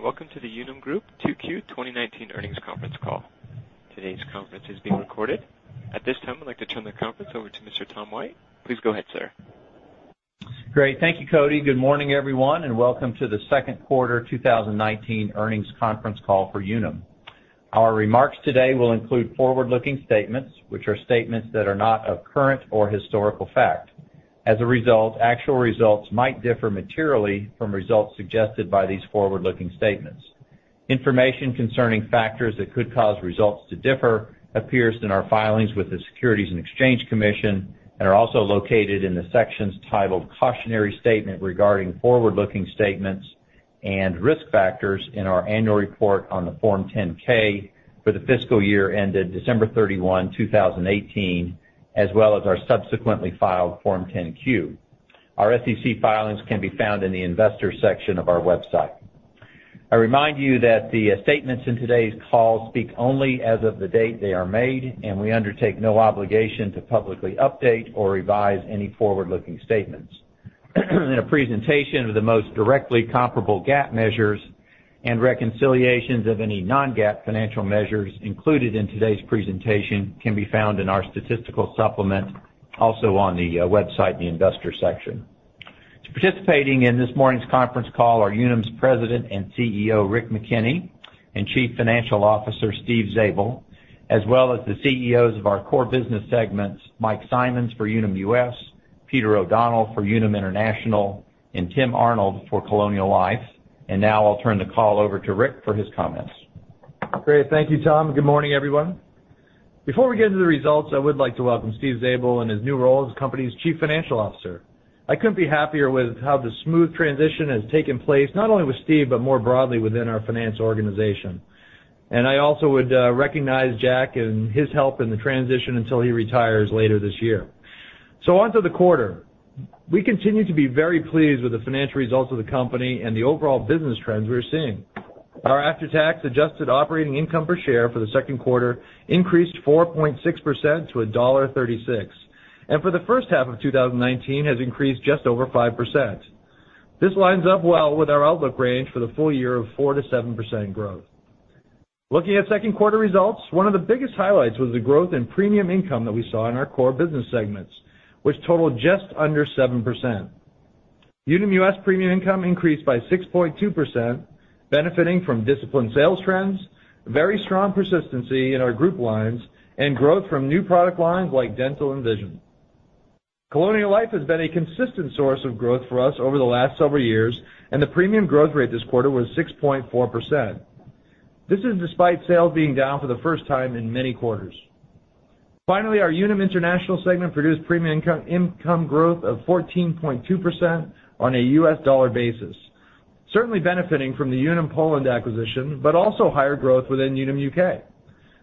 Good day, and welcome to the Unum Group 2Q 2019 earnings conference call. Today's conference is being recorded. At this time, I'd like to turn the conference over to Tom White. Please go ahead, sir. Great. Thank you, Cody. Good morning, everyone, and welcome to the second quarter 2019 earnings conference call for Unum. Our remarks today will include forward-looking statements, which are statements that are not of current or historical fact. As a result, actual results might differ materially from results suggested by these forward-looking statements. Information concerning factors that could cause results to differ appears in our filings with the Securities and Exchange Commission and are also located in the sections titled Cautionary Statement regarding Forward-Looking Statements and Risk Factors in our annual report on the Form 10-K for the fiscal year ended December 31, 2018, as well as our subsequently filed Form 10-Q. Our SEC filings can be found in the investor section of our website. I remind you that the statements in today's call speak only as of the date they are made, and we undertake no obligation to publicly update or revise any forward-looking statements. A presentation of the most directly comparable GAAP measures and reconciliations of any non-GAAP financial measures included in today's presentation can be found in our statistical supplement, also on the website in the investor section. Participating in this morning's conference call are Unum's President and CEO, Rick McKenney, and Chief Financial Officer, Steve Zabel, as well as the CEOs of our core business segments, Mike Simonds for Unum US, Peter O'Donnell for Unum International, and Tim Arnold for Colonial Life. Now I'll turn the call over to Rick for his comments. Great. Thank you, Tom, and good morning, everyone. Before we get into the results, I would like to welcome Steve Zabel in his new role as the company's Chief Financial Officer. I couldn't be happier with how the smooth transition has taken place, not only with Steve, but more broadly within our finance organization. I also would recognize Jack and his help in the transition until he retires later this year. On to the quarter. We continue to be very pleased with the financial results of the company and the overall business trends we are seeing. Our after-tax adjusted operating income per share for the second quarter increased 4.6% to $1.36, and for the first half of 2019 has increased just over 5%. This lines up well with our outlook range for the full year of 4%-7% growth. Looking at second quarter results, one of the biggest highlights was the growth in premium income that we saw in our core business segments, which totaled just under 7%. Unum US premium income increased by 6.2%, benefiting from disciplined sales trends, very strong persistency in our group lines, and growth from new product lines like dental and vision. Colonial Life has been a consistent source of growth for us over the last several years, and the premium growth rate this quarter was 6.4%. This is despite sales being down for the first time in many quarters. Finally, our Unum International segment produced premium income growth of 14.2% on a U.S. dollar basis, certainly benefiting from the Unum Poland acquisition, but also higher growth within Unum UK.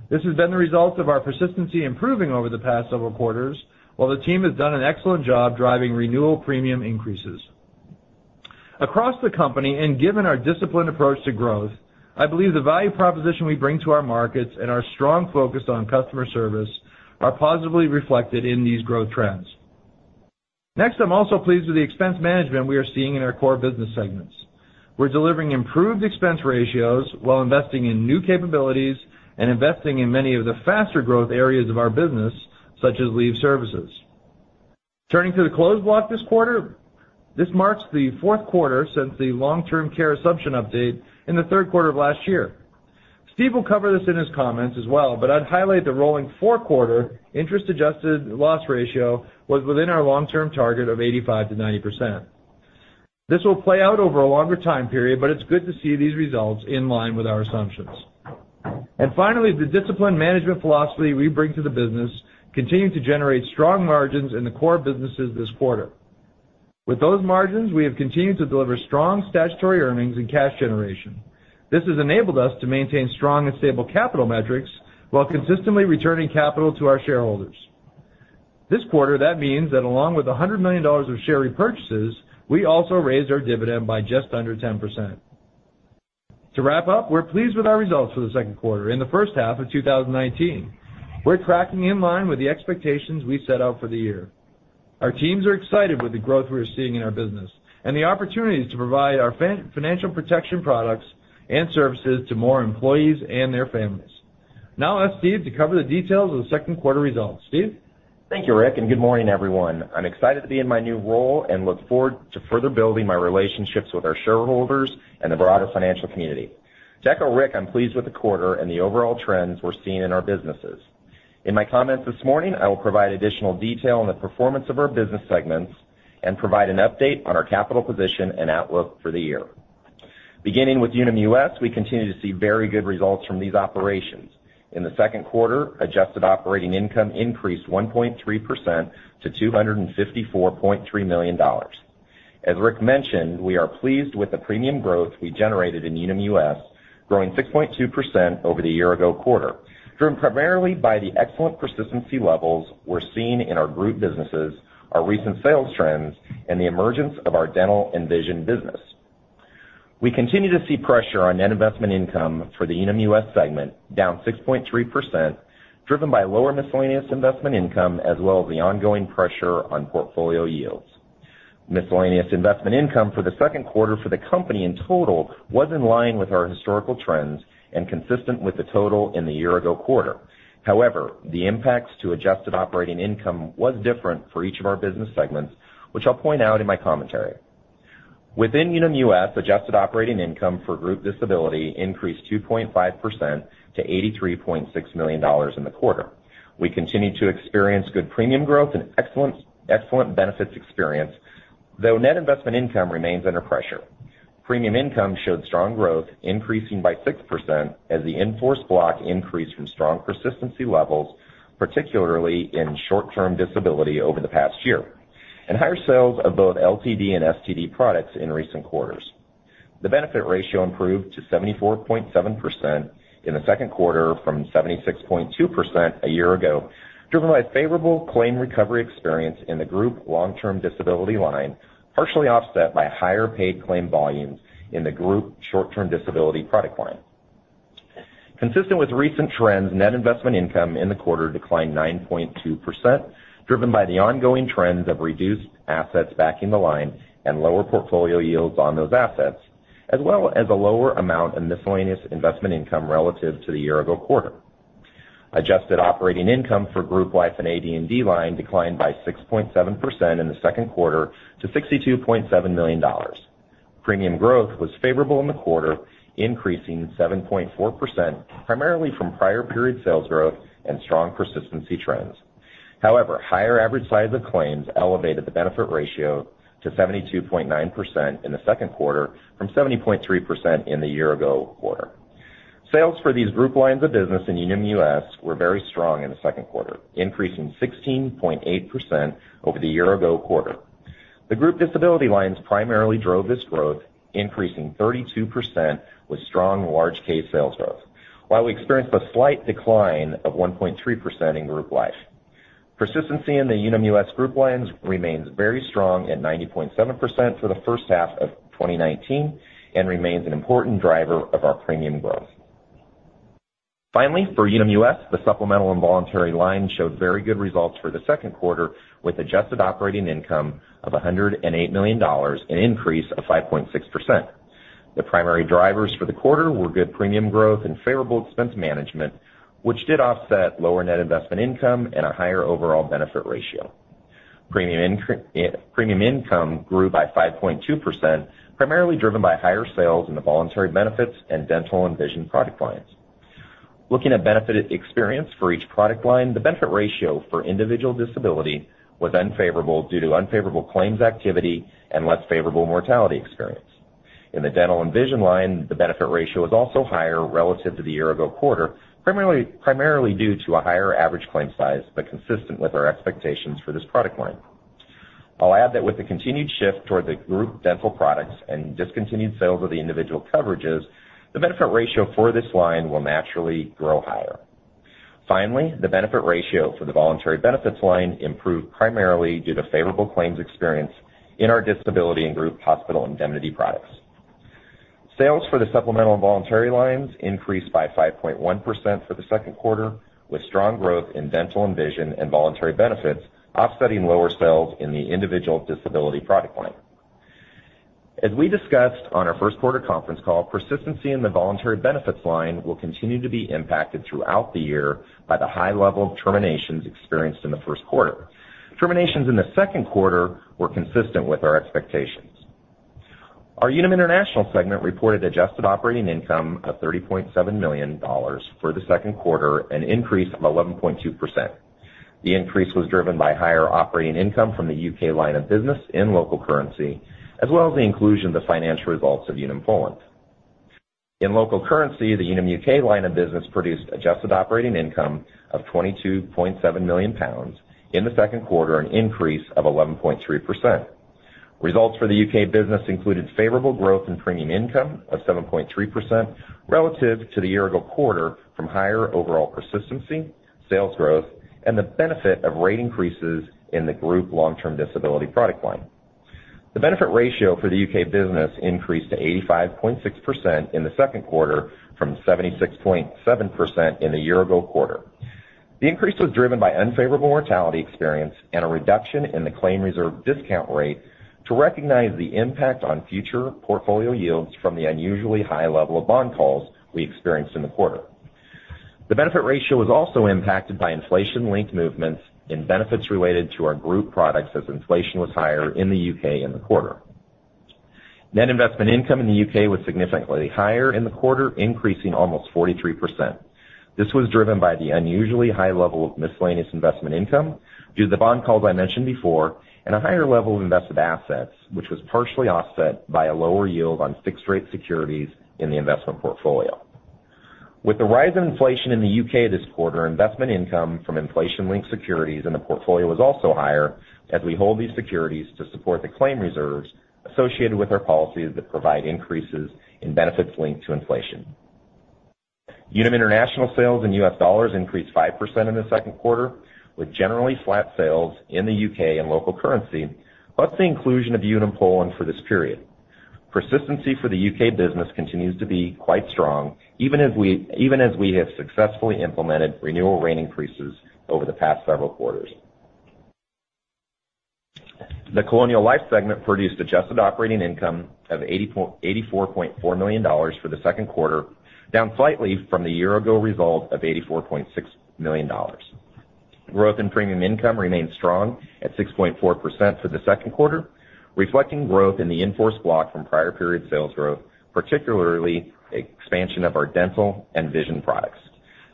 This has been the result of our persistency improving over the past several quarters, while the team has done an excellent job driving renewal premium increases. Across the company and given our disciplined approach to growth, I believe the value proposition we bring to our markets and our strong focus on customer service are positively reflected in these growth trends. I'm also pleased with the expense management we are seeing in our core business segments. We're delivering improved expense ratios while investing in new capabilities and investing in many of the faster growth areas of our business, such as leave services. Turning to the closed block this quarter, this marks the fourth quarter since the long-term care assumption update in the third quarter of last year. Steve will cover this in his comments as well, but I'd highlight the rolling four-quarter interest-adjusted loss ratio was within our long-term target of 85%-90%. This will play out over a longer time period, but it's good to see these results in line with our assumptions. Finally, the disciplined management philosophy we bring to the business continued to generate strong margins in the core businesses this quarter. With those margins, we have continued to deliver strong statutory earnings and cash generation. This has enabled us to maintain strong and stable capital metrics while consistently returning capital to our shareholders. This quarter, that means that along with $100 million of share repurchases, we also raised our dividend by just under 10%. To wrap up, we're pleased with our results for the second quarter and the first half of 2019. We're tracking in line with the expectations we set out for the year. Our teams are excited with the growth we are seeing in our business and the opportunities to provide our financial protection products and services to more employees and their families. On to Steve to cover the details of the second quarter results. Steve? Thank you, Rick, and good morning, everyone. I'm excited to be in my new role and look forward to further building my relationships with our shareholders and the broader financial community. To echo Rick, I'm pleased with the quarter and the overall trends we're seeing in our businesses. In my comments this morning, I will provide additional detail on the performance of our business segments and provide an update on our capital position and outlook for the year. Beginning with Unum US, we continue to see very good results from these operations. In the second quarter, adjusted operating income increased 1.3% to $254.3 million. As Rick mentioned, we are pleased with the premium growth we generated in Unum US, growing 6.2% over the year-ago quarter, driven primarily by the excellent persistency levels we're seeing in our group businesses, our recent sales trends, and the emergence of our dental and vision business. We continue to see pressure on net investment income for the Unum US segment, down 6.3%, driven by lower miscellaneous investment income as well as the ongoing pressure on portfolio yields. Miscellaneous investment income for the second quarter for the company in total was in line with our historical trends and consistent with the total in the year-ago quarter. The impacts to adjusted operating income was different for each of our business segments, which I'll point out in my commentary. Within Unum US, adjusted operating income for group disability increased 2.5% to $83.6 million in the quarter. We continue to experience good premium growth and excellent benefits experience, though net investment income remains under pressure. Premium income showed strong growth, increasing by 6% as the in-force block increased from strong persistency levels, particularly in short-term disability over the past year, and higher sales of both LTD and STD products in recent quarters. The benefit ratio improved to 74.7% in the second quarter from 76.2% a year ago, driven by favorable claim recovery experience in the group long-term disability line, partially offset by higher paid claim volumes in the group short-term disability product line. Consistent with recent trends, net investment income in the quarter declined 9.2%, driven by the ongoing trends of reduced assets backing the line and lower portfolio yields on those assets, as well as a lower amount of miscellaneous investment income relative to the year-ago quarter. Adjusted operating income for group life and AD&D line declined by 6.7% in the second quarter to $62.7 million. Premium growth was favorable in the quarter, increasing 7.4%, primarily from prior period sales growth and strong persistency trends. Higher average size of claims elevated the benefit ratio to 72.9% in the second quarter from 70.3% in the year-ago quarter. Sales for these group lines of business in Unum US were very strong in the second quarter, increasing 16.8% over the year-ago quarter. The group disability lines primarily drove this growth, increasing 32% with strong large case sales growth. While we experienced a slight decline of 1.3% in group life, persistency in the Unum US group lines remains very strong at 90.7% for the first half of 2019, and remains an important driver of our premium growth. Finally, for Unum US, the supplemental and voluntary line showed very good results for the second quarter, with adjusted operating income of $108 million, an increase of 5.6%. The primary drivers for the quarter were good premium growth and favorable expense management, which did offset lower net investment income and a higher overall benefit ratio. Premium income grew by 5.2%, primarily driven by higher sales in the voluntary benefits and dental and vision product lines. Looking at benefit experience for each product line, the benefit ratio for individual disability was unfavorable due to unfavorable claims activity and less favorable mortality experience. In the dental and vision line, the benefit ratio was also higher relative to the year-ago quarter, primarily due to a higher average claim size, but consistent with our expectations for this product line. I'll add that with the continued shift toward the group dental products and discontinued sales of the individual coverages, the benefit ratio for this line will naturally grow higher. Finally, the benefit ratio for the voluntary benefits line improved primarily due to favorable claims experience in our disability and group hospital indemnity products. Sales for the supplemental and voluntary lines increased by 5.1% for the second quarter, with strong growth in dental and vision and voluntary benefits offsetting lower sales in the individual disability product line. As we discussed on our first quarter conference call, persistency in the voluntary benefits line will continue to be impacted throughout the year by the high level of terminations experienced in the first quarter. Terminations in the second quarter were consistent with our expectations. Our Unum International segment reported adjusted operating income of $30.7 million for the second quarter, an increase of 11.2%. The increase was driven by higher operating income from the U.K. line of business in local currency, as well as the inclusion of the financial results of Unum Poland. In local currency, the Unum UK line of business produced adjusted operating income of 22.7 million pounds in the second quarter, an increase of 11.3%. Results for the U.K. business included favorable growth in premium income of 7.3% relative to the year-ago quarter from higher overall persistency, sales growth, and the benefit of rate increases in the group long-term disability product line. The benefit ratio for the U.K. business increased to 85.6% in the second quarter from 76.7% in the year-ago quarter. The increase was driven by unfavorable mortality experience and a reduction in the claim reserve discount rate to recognize the impact on future portfolio yields from the unusually high level of bond calls we experienced in the quarter. The benefit ratio was also impacted by inflation-linked movements in benefits related to our group products as inflation was higher in the U.K. in the quarter. Net investment income in the U.K. was significantly higher in the quarter, increasing almost 43%. This was driven by the unusually high level of miscellaneous investment income due to the bond calls I mentioned before, and a higher level of invested assets, which was partially offset by a lower yield on fixed-rate securities in the investment portfolio. With the rise of inflation in the U.K. this quarter, investment income from inflation-linked securities in the portfolio was also higher as we hold these securities to support the claim reserves associated with our policies that provide increases in benefits linked to inflation. Unum International sales in USD increased 5% in the second quarter, with generally flat sales in the U.K. in local currency, plus the inclusion of Unum Poland for this period. Persistency for the U.K. business continues to be quite strong, even as we have successfully implemented renewal rate increases over the past several quarters. The Colonial Life segment produced adjusted operating income of $84.4 million for the second quarter, down slightly from the year ago result of $84.6 million. Growth in premium income remained strong at 6.4% for the second quarter, reflecting growth in the in-force block from prior period sales growth, particularly expansion of our dental and vision products.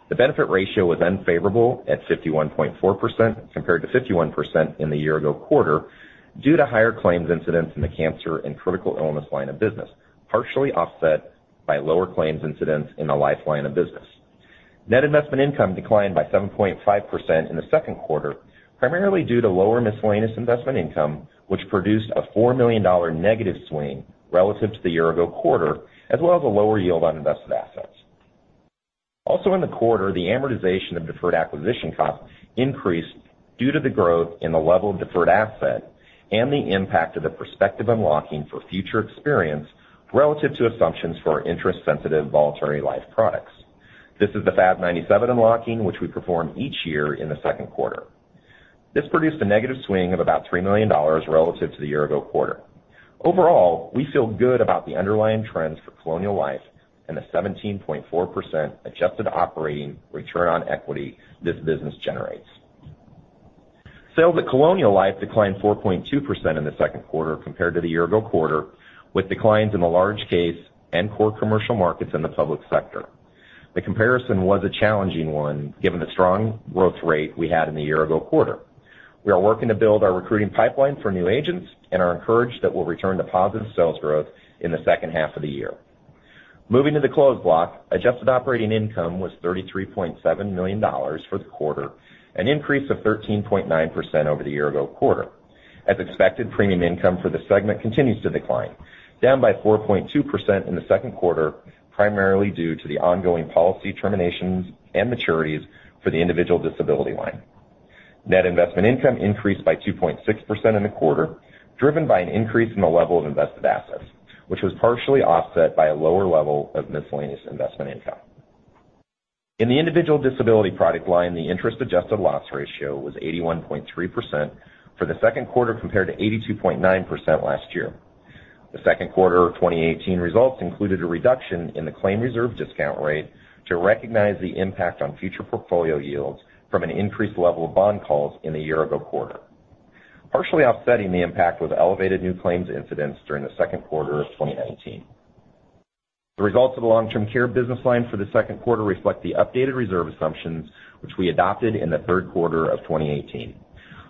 The benefit ratio was unfavorable at 51.4%, compared to 51% in the year ago quarter, due to higher claims incidents in the cancer and critical illness line of business, partially offset by lower claims incidents in the life line of business. Net investment income declined by 7.5% in the second quarter, primarily due to lower miscellaneous investment income, which produced a $4 million negative swing relative to the year ago quarter, as well as a lower yield on invested assets. In the quarter, the amortization of deferred acquisition costs increased due to the growth in the level of deferred asset and the impact of the prospective unlocking for future experience relative to assumptions for our interest sensitive voluntary life products. This is the FAS 97 unlocking which we perform each year in the second quarter. This produced a negative swing of about $3 million relative to the year ago quarter. Overall, we feel good about the underlying trends for Colonial Life and the 17.4% adjusted operating return on equity this business generates. Sales at Colonial Life declined 4.2% in the second quarter compared to the year ago quarter, with declines in the large case and core commercial markets in the public sector. The comparison was a challenging one, given the strong growth rate we had in the year ago quarter. We are working to build our recruiting pipeline for new agents and are encouraged that we'll return to positive sales growth in the second half of the year. Moving to the closed block, adjusted operating income was $33.7 million for the quarter, an increase of 13.9% over the year ago quarter. As expected, premium income for the segment continues to decline, down by 4.2% in the second quarter, primarily due to the ongoing policy terminations and maturities for the individual disability line. Net investment income increased by 2.6% in the quarter, driven by an increase in the level of invested assets, which was partially offset by a lower level of miscellaneous investment income. In the individual disability product line, the interest-adjusted loss ratio was 81.3% for the second quarter compared to 82.9% last year. The second quarter of 2018 results included a reduction in the claim reserve discount rate to recognize the impact on future portfolio yields from an increased level of bond calls in the year ago quarter. Partially offsetting the impact was elevated new claims incidents during the second quarter of 2019. The results of the long-term care business line for the second quarter reflect the updated reserve assumptions which we adopted in the third quarter of 2018.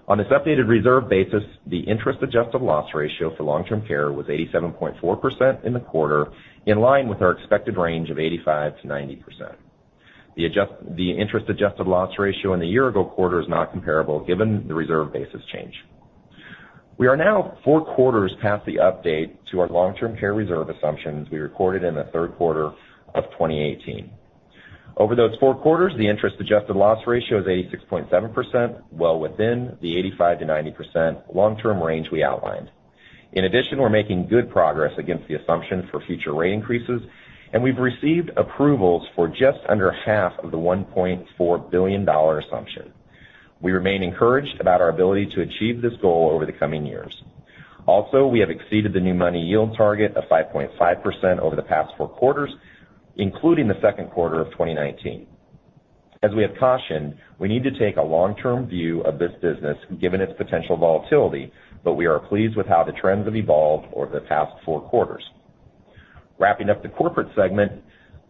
On this updated reserve basis, the interest-adjusted loss ratio for long-term care was 87.4% in the quarter, in line with our expected range of 85%-90%. The interest-adjusted loss ratio in the year ago quarter is not comparable given the reserve basis change. We are now four quarters past the update to our long-term care reserve assumptions we recorded in the third quarter of 2018. Over those four quarters, the interest-adjusted loss ratio is 86.7%, well within the 85%-90% long-term range we outlined. In addition, we've making good progress against the assumptions for future rate increases, and we've received approvals for just under half of the $1.4 billion assumption. We remain encouraged about our ability to achieve this goal over the coming years. Also, we have exceeded the new money yield target of 5.5% over the past four quarters, including the second quarter of 2019. As we have cautioned, we need to take a long-term view of this business, given its potential volatility, but we are pleased with how the trends have evolved over the past four quarters. Wrapping up the corporate segment,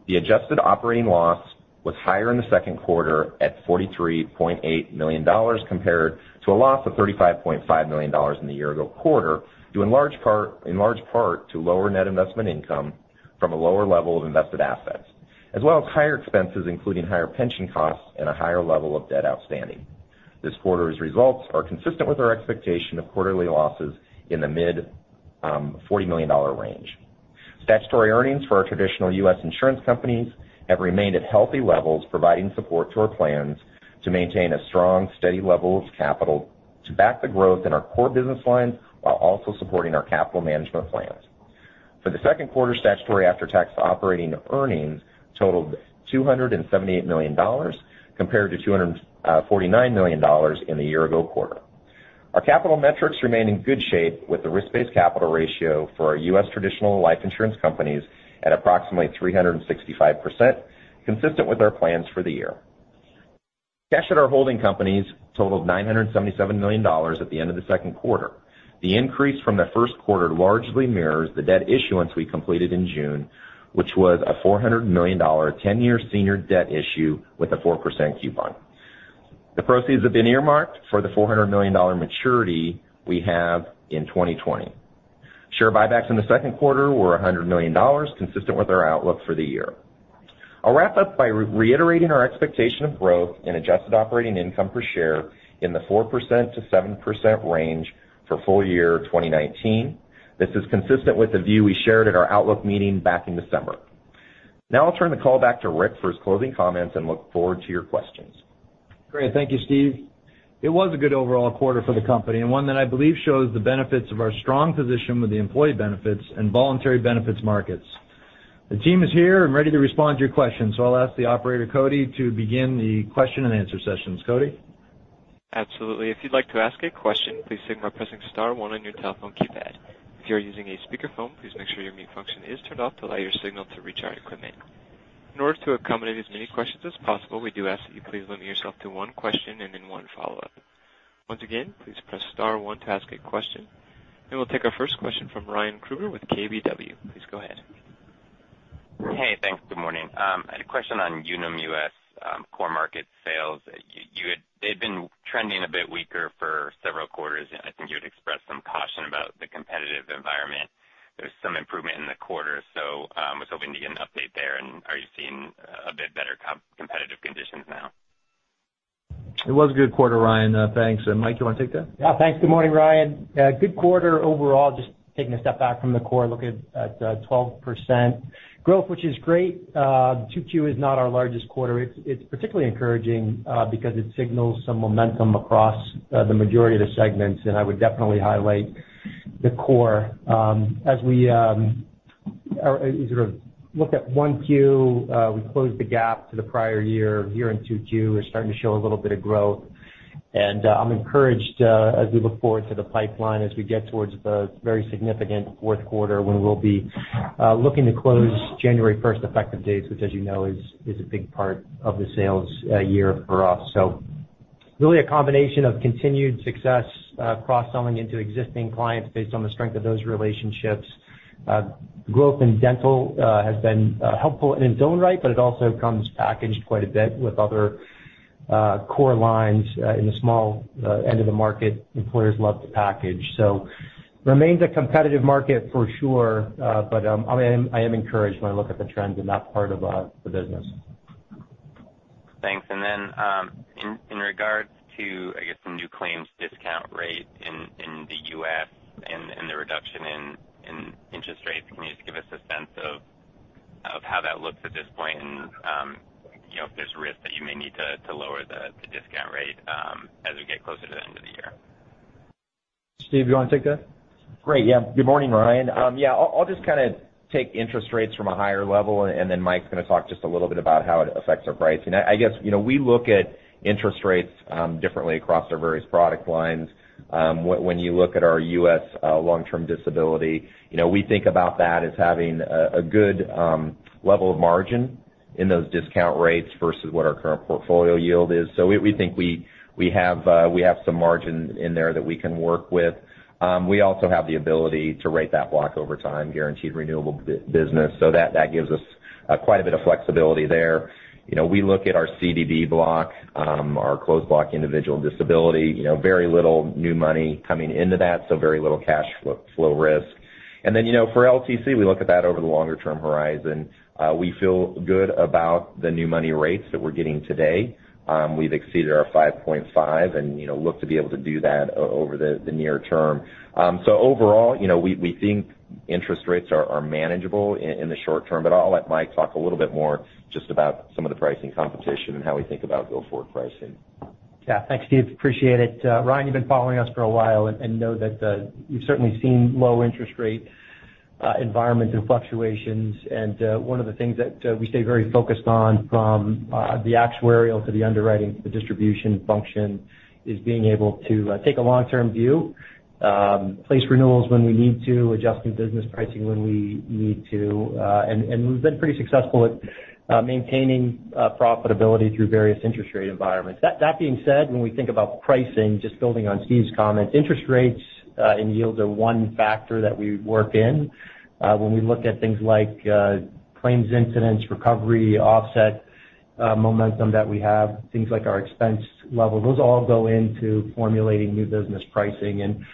the adjusted operating loss was higher in the second quarter at $43.8 million compared to a loss of $35.5 million in the year ago quarter, in large part to lower net investment income from a lower level of invested assets, as well as higher expenses, including higher pension costs and a higher level of debt outstanding. This quarter's results are consistent with our expectation of quarterly losses in the mid $40 million range. Statutory earnings for our traditional U.S. insurance companies have remained at healthy levels, providing support to our plans to maintain a strong, steady level of capital to back the growth in our core business lines while also supporting our capital management plans. For the second quarter, statutory after-tax operating earnings totaled $278 million compared to $249 million in the year ago quarter. Our capital metrics remain in good shape with the risk-based capital ratio for our U.S. traditional life insurance companies at approximately 365%, consistent with our plans for the year. Cash at our holding companies totaled $977 million at the end of the second quarter. The increase from the first quarter largely mirrors the debt issuance we completed in June, which was a $400 million 10-year senior debt issue with a 4% coupon. The proceeds have been earmarked for the $400 million maturity we have in 2020. Share buybacks in the second quarter were $100 million, consistent with our outlook for the year. I'll wrap up by reiterating our expectation of growth in adjusted operating income per share in the 4%-7% range for full year 2019. This is consistent with the view we shared at our outlook meeting back in December. Now I'll turn the call back to Rick for his closing comments and look forward to your questions. Great. Thank you, Steve. It was a good overall quarter for the company, and one that I believe shows the benefits of our strong position with the employee benefits and voluntary benefits markets. The team is here and ready to respond to your questions, I'll ask the operator, Cody, to begin the question and answer sessions. Cody? Absolutely. If you'd like to ask a question, please signal by pressing star one on your telephone keypad. If you are using a speakerphone, please make sure your mute function is turned off to allow your signal to reach our equipment. In order to accommodate as many questions as possible, we do ask that you please limit yourself to one question and then one follow-up. Once again, please press star one to ask a question. We'll take our first question from Ryan Krueger with KBW. Please go ahead. Hey, thanks. Good morning. I had a question on Unum US core market sales. They've been trending a bit weaker for several quarters, and I think you had expressed some caution about the competitive environment. There's some improvement in the quarter, I was hoping to get an update there. Are you seeing a bit better competitive conditions now? It was a good quarter, Ryan. Thanks. Mike, do you want to take that? Yeah. Thanks. Good morning, Ryan. Good quarter overall. Just taking a step back from the core and looking at the 12% growth, which is great. Q2 is not our largest quarter. It's particularly encouraging because it signals some momentum across the majority of the segments, and I would definitely highlight the core. As we look at Q1, we closed the gap to the prior year. Here in Q2, we're starting to show a little bit of growth, and I'm encouraged as we look forward to the pipeline as we get towards the very significant fourth quarter when we'll be looking to close January 1st effective dates, which as you know, is a big part of the sales year for us. Really a combination of continued success cross-selling into existing clients based on the strength of those relationships. Growth in dental has been helpful in its own right, but it also comes packaged quite a bit with other core lines in the small end of the market. Employers love to package. Remains a competitive market for sure. But I am encouraged when I look at the trends in that part of the business. Thanks. In regards to, I guess, some new claims discount rate in the U.S. and the reduction in interest rates, can you just give us a sense of how that looks at this point and if there's risk that you may need to lower the discount rate as we get closer to the end of the year? Steve, you want to take that? Great, yeah. Good morning, Ryan. I'll just take interest rates from a higher level, and then Mike's going to talk just a little bit about how it affects our pricing. I guess, we look at interest rates differently across our various product lines. When you look at our U.S. long-term disability, we think about that as having a good level of margin in those discount rates versus what our current portfolio yield is. We think we have some margin in there that we can work with. We also have the ability to rate that block over time, guaranteed renewable business, so that gives us quite a bit of flexibility there. We look at our CDB block, our closed block individual disability, very little new money coming into that, so very little cash flow risk. For LTC, we look at that over the longer term horizon. We feel good about the new money rates that we're getting today. We've exceeded our 5.5 and look to be able to do that over the near term. Overall, we think interest rates are manageable in the short term, but I'll let Mike talk a little bit more just about some of the pricing competition and how we think about go-forward pricing. Thanks, Steve. Appreciate it. Ryan, you've been following us for a while and know that you've certainly seen low interest rate environments and fluctuations, and one of the things that we stay very focused on from the actuarial to the underwriting to the distribution function is being able to take a long-term view, place renewals when we need to, adjust new business pricing when we need to. We've been pretty successful at maintaining profitability through various interest rate environments. That being said, when we think about pricing, just building on Steve's comments, interest rates and yields are one factor that we work in. When we look at things like claims incidents, recovery, offset momentum that we have, things like our expense level, those all go into formulating new business pricing.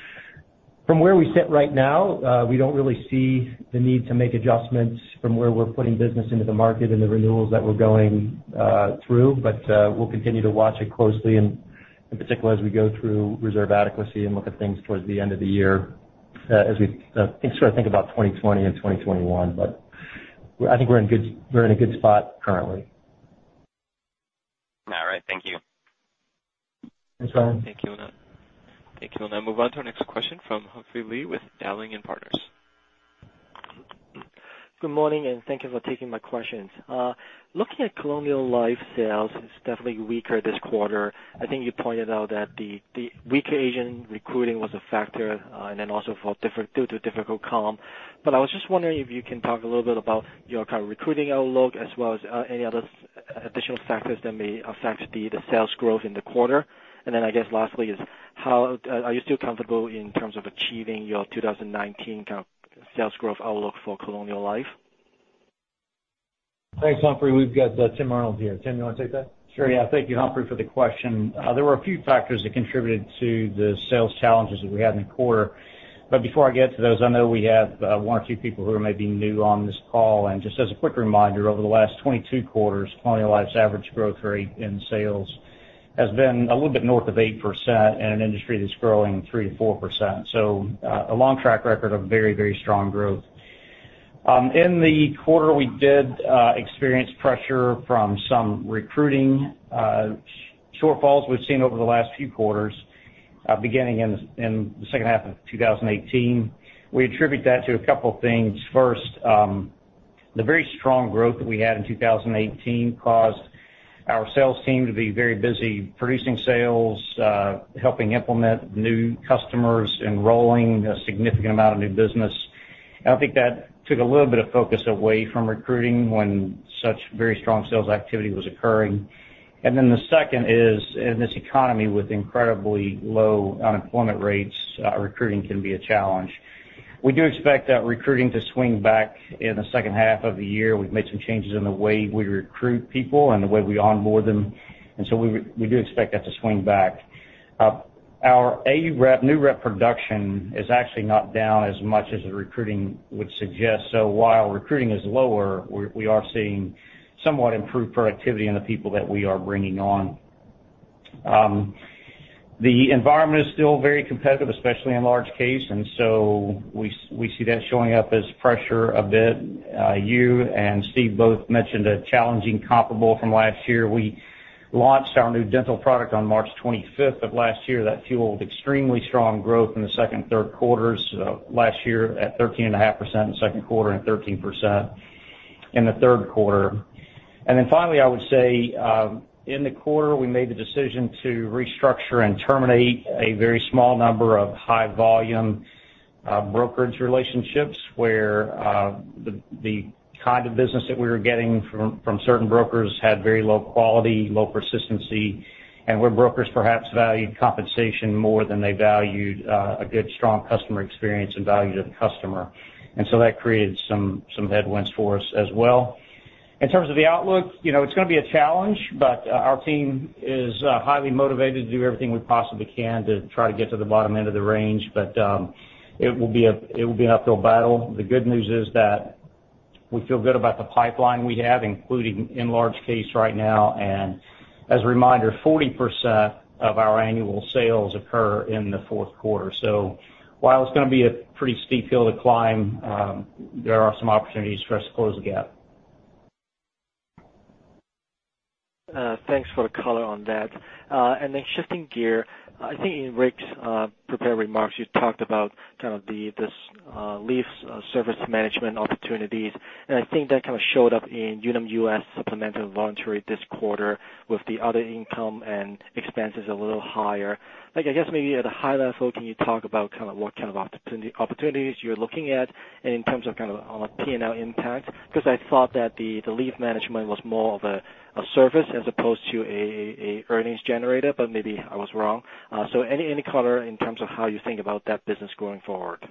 From where we sit right now, we don't really see the need to make adjustments from where we're putting business into the market and the renewals that we're going through. We'll continue to watch it closely, and in particular, as we go through reserve adequacy and look at things towards the end of the year as we start to think about 2020 and 2021. I think we're in a good spot currently. All right. Thank you. Thanks, Ryan. Thank you. We'll now move on to our next question from Humphrey Lee with Dowling & Partners. Good morning, and thank you for taking my questions. Looking at Colonial Life sales, it's definitely weaker this quarter. I think you pointed out that the weaker agent recruiting was a factor, also due to difficult comp. I was just wondering if you can talk a little bit about your kind of recruiting outlook as well as any other additional factors that may affect the sales growth in the quarter. I guess lastly is, are you still comfortable in terms of achieving your 2019 kind of sales growth outlook for Colonial Life? Thanks, Humphrey. We've got Tim Arnold here. Tim, you want to take that? Sure, yeah. Thank you, Humphrey, for the question. There were a few factors that contributed to the sales challenges that we had in the quarter. Before I get to those, I know we have one or two people who are maybe new on this call, and just as a quick reminder, over the last 22 quarters, Colonial Life's average growth rate in sales Has been a little bit north of 8% in an industry that's growing 3%-4%. A long track record of very strong growth. In the quarter, we did experience pressure from some recruiting shortfalls we've seen over the last few quarters, beginning in the second half of 2018. We attribute that to a couple things. First, the very strong growth that we had in 2018 caused our sales team to be very busy producing sales, helping implement new customers, enrolling a significant amount of new business. I think that took a little bit of focus away from recruiting when such very strong sales activity was occurring. The second is, in this economy, with incredibly low unemployment rates, recruiting can be a challenge. We do expect that recruiting to swing back in the second half of the year. We've made some changes in the way we recruit people and the way we onboard them. We do expect that to swing back. Our new rep production is actually not down as much as the recruiting would suggest. While recruiting is lower, we are seeing somewhat improved productivity in the people that we are bringing on. The environment is still very competitive, especially in large case, and we see that showing up as pressure a bit. You and Steve both mentioned a challenging comparable from last year. We launched our new dental product on March 25th of last year. That fueled extremely strong growth in the second and third quarters of last year, at 13.5% in the second quarter and 13% in the third quarter. Finally, I would say, in the quarter, we made the decision to restructure and terminate a very small number of high volume brokerage relationships where the kind of business that we were getting from certain brokers had very low quality, low persistency, and where brokers perhaps valued compensation more than they valued a good, strong customer experience and value to the customer. That created some headwinds for us as well. In terms of the outlook, it's going to be a challenge, but our team is highly motivated to do everything we possibly can to try to get to the bottom end of the range, but it will be an uphill battle. The good news is that we feel good about the pipeline we have, including in large case right now, and as a reminder, 40% of our annual sales occur in the fourth quarter. While it's going to be a pretty steep hill to climb, there are some opportunities for us to close the gap. Thanks for the color on that. Shifting gear, I think in Rick's prepared remarks, you talked about kind of this leave service management opportunities, and I think that kind of showed up in Unum US supplemental and voluntary this quarter with the other income and expenses a little higher. I guess maybe at a high level, can you talk about what kind of opportunities you're looking at in terms of P&L impact? Because I thought that the leave management was more of a service as opposed to an earnings generator, but maybe I was wrong. Any color in terms of how you think about that business going forward?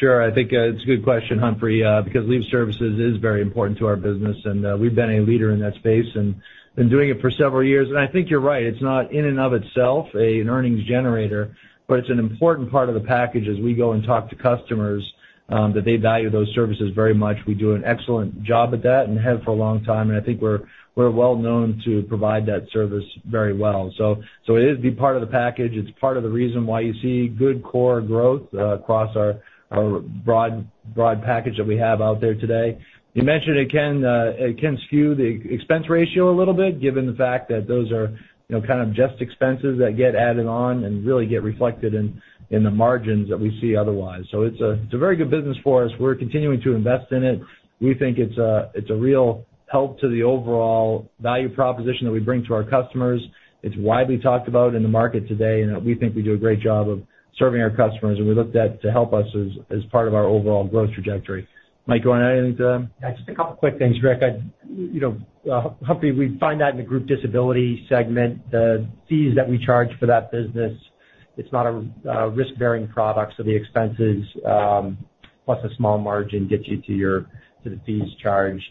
Sure. I think it's a good question, Humphrey, because leave services is very important to our business, and we've been a leader in that space and been doing it for several years. I think you're right. It's not in and of itself an earnings generator, but it's an important part of the package as we go and talk to customers, that they value those services very much. We do an excellent job at that and have for a long time, I think we're well known to provide that service very well. It is the part of the package. It's part of the reason why you see good core growth across our broad package that we have out there today. You mentioned it can skew the expense ratio a little bit given the fact that those are kind of just expenses that get added on and really get reflected in the margins that we see otherwise. It's a very good business for us. We're continuing to invest in it. We think it's a real help to the overall value proposition that we bring to our customers. It's widely talked about in the market today, we think we do a great job of serving our customers, and we look that to help us as part of our overall growth trajectory. Mike, do you want to add anything to that? Just a couple of quick things, Rick. Humphrey, we find that in the group disability segment, the fees that we charge for that business, it's not a risk-bearing product, the expenses, plus a small margin, gets you to the fees charged.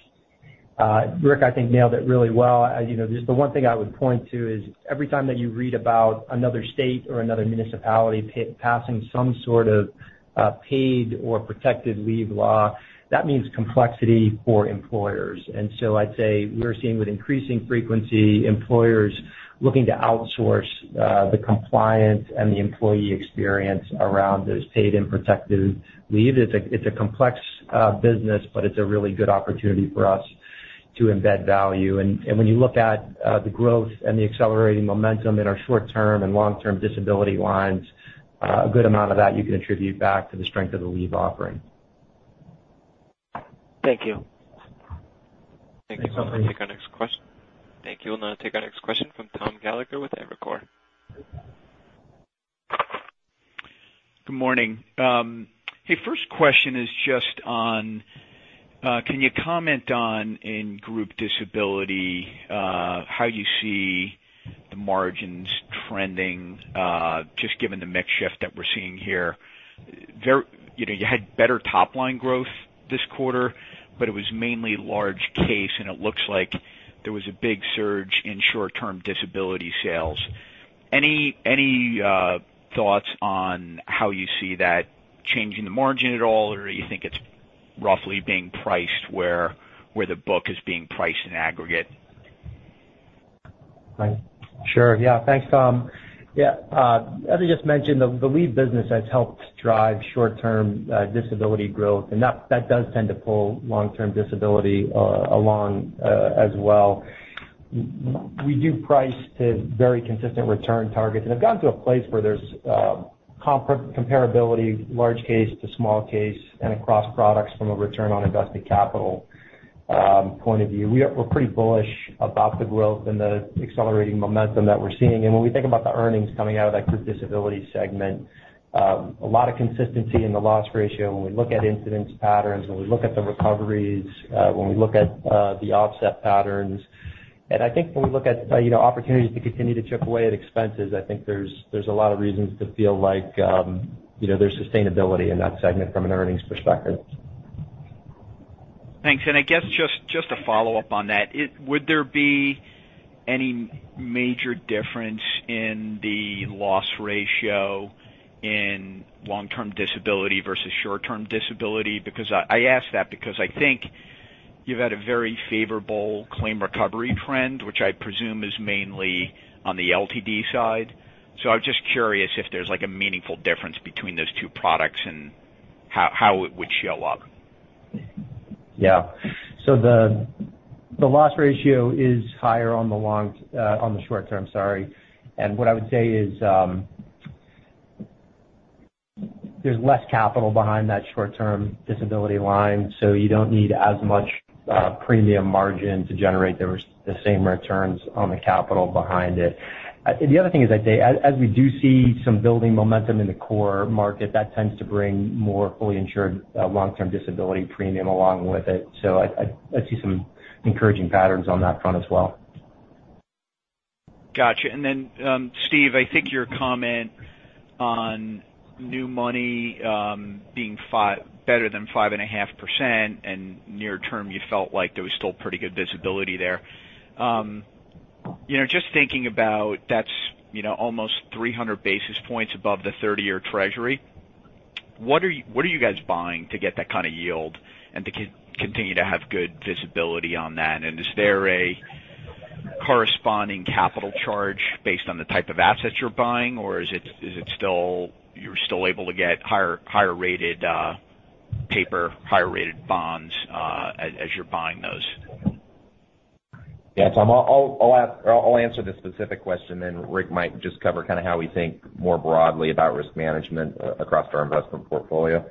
Rick, I think, nailed it really well. The one thing I would point to is every time that you read about another state or another municipality passing some sort of paid or protected leave law, that means complexity for employers. I'd say we're seeing, with increasing frequency, employers looking to outsource the compliance and the employee experience around those paid and protected leave. It's a complex business, it's a really good opportunity for us to embed value. When you look at the growth and the accelerating momentum in our short-term and long-term disability lines, a good amount of that you can attribute back to the strength of the leave offering. Thank you. Thank you, Humphrey. Thank you. We'll now take our next question from Thomas Gallagher with Evercore. Good morning. Hey, first question is just on, can you comment on, in group disability, how you see the margins trending, just given the mix shift that we're seeing here? You had better top-line growth this quarter, but it was mainly large case, and it looks like there was a big surge in short-term disability sales. Any thoughts on how you see that changing the margin at all, or you think it's roughly being priced where the book is being priced in aggregate? Sure. Yeah. Thanks, Tom. As I just mentioned, the leave business has helped drive short-term disability growth, and that does tend to pull long-term disability along as well. We do price to very consistent return targets, and have gotten to a place where there's comparability large case to small case and across products from a return on invested capital point of view. We're pretty bullish about the growth and the accelerating momentum that we're seeing. When we think about the earnings coming out of that Group Disability Segment, a lot of consistency in the loss ratio when we look at incidence patterns, when we look at the recoveries, when we look at the offset patterns. I think when we look at opportunities to continue to chip away at expenses, I think there's a lot of reasons to feel like there's sustainability in that segment from an earnings perspective. Thanks. I guess just to follow up on that, would there be any major difference in the loss ratio in long-term disability versus short-term disability? I ask that because I think you've had a very favorable claim recovery trend, which I presume is mainly on the LTD side. I was just curious if there's a meaningful difference between those two products and how it would show up. Yeah. The loss ratio is higher on the short term. What I would say is, there's less capital behind that short-term disability line, so you don't need as much premium margin to generate the same returns on the capital behind it. The other thing is, as we do see some building momentum in the core market, that tends to bring more fully insured long-term disability premium along with it. I see some encouraging patterns on that front as well. Got you. Steve, I think your comment on new money being better than 5.5% and near term, you felt like there was still pretty good visibility there. Just thinking about that's almost 300 basis points above the 30-year treasury. What are you guys buying to get that kind of yield and to continue to have good visibility on that? Is there a corresponding capital charge based on the type of assets you're buying, or you're still able to get higher-rated paper, higher-rated bonds as you're buying those? Tom, I'll answer the specific question. Rick might just cover how we think more broadly about risk management across our investment portfolio.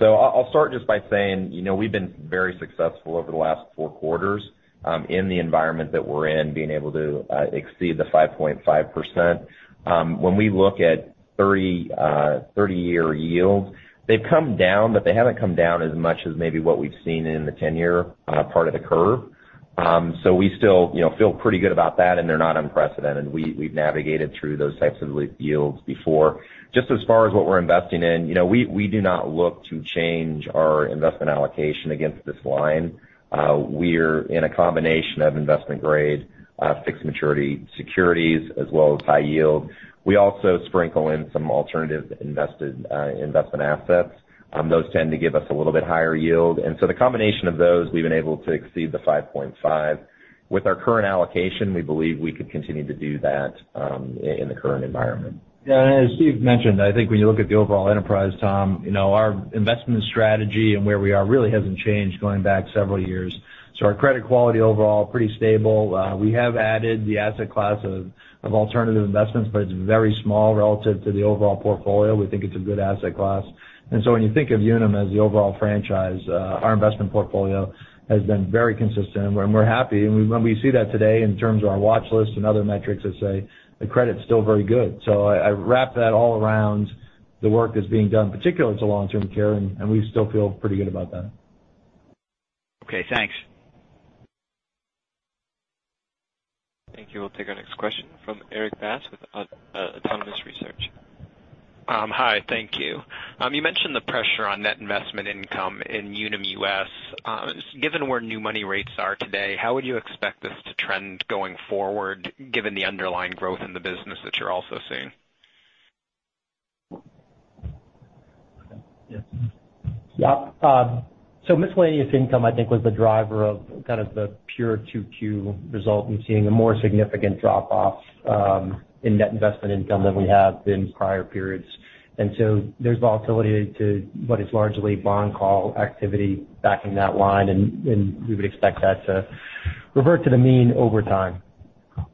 I'll start just by saying, we've been very successful over the last four quarters in the environment that we're in, being able to exceed the 5.5%. When we look at 30-year yields, they've come down, but they haven't come down as much as maybe what we've seen in the 10-year part of the curve. We still feel pretty good about that, and they're not unprecedented. We've navigated through those types of yields before. Just as far as what we're investing in, we do not look to change our investment allocation against this line. We're in a combination of investment-grade, fixed maturity securities as well as high yield. We also sprinkle in some alternative investment assets. Those tend to give us a little bit higher yield. The combination of those, we've been able to exceed the 5.5%. With our current allocation, we believe we could continue to do that in the current environment. As Steve mentioned, I think when you look at the overall enterprise, Tom, our investment strategy and where we are really hasn't changed going back several years. Our credit quality overall, pretty stable. We have added the asset class of alternative investments, but it's very small relative to the overall portfolio. We think it's a good asset class. When you think of Unum as the overall franchise, our investment portfolio has been very consistent, and we're happy. When we see that today in terms of our watch list and other metrics that say the credit's still very good. I wrap that all around the work that's being done, particularly to long-term care, and we still feel pretty good about that. Okay, thanks. Thank you. We'll take our next question from Erik Bass with Autonomous Research. Hi, thank you. You mentioned the pressure on net investment income in Unum US. Given where new money rates are today, how would you expect this to trend going forward, given the underlying growth in the business that you're also seeing? Miscellaneous income, I think, was the driver of kind of the pure Q2 result in seeing a more significant drop off in net investment income than we have been prior periods. There's volatility to what is largely bond call activity backing that line, and we would expect that to revert to the mean over time.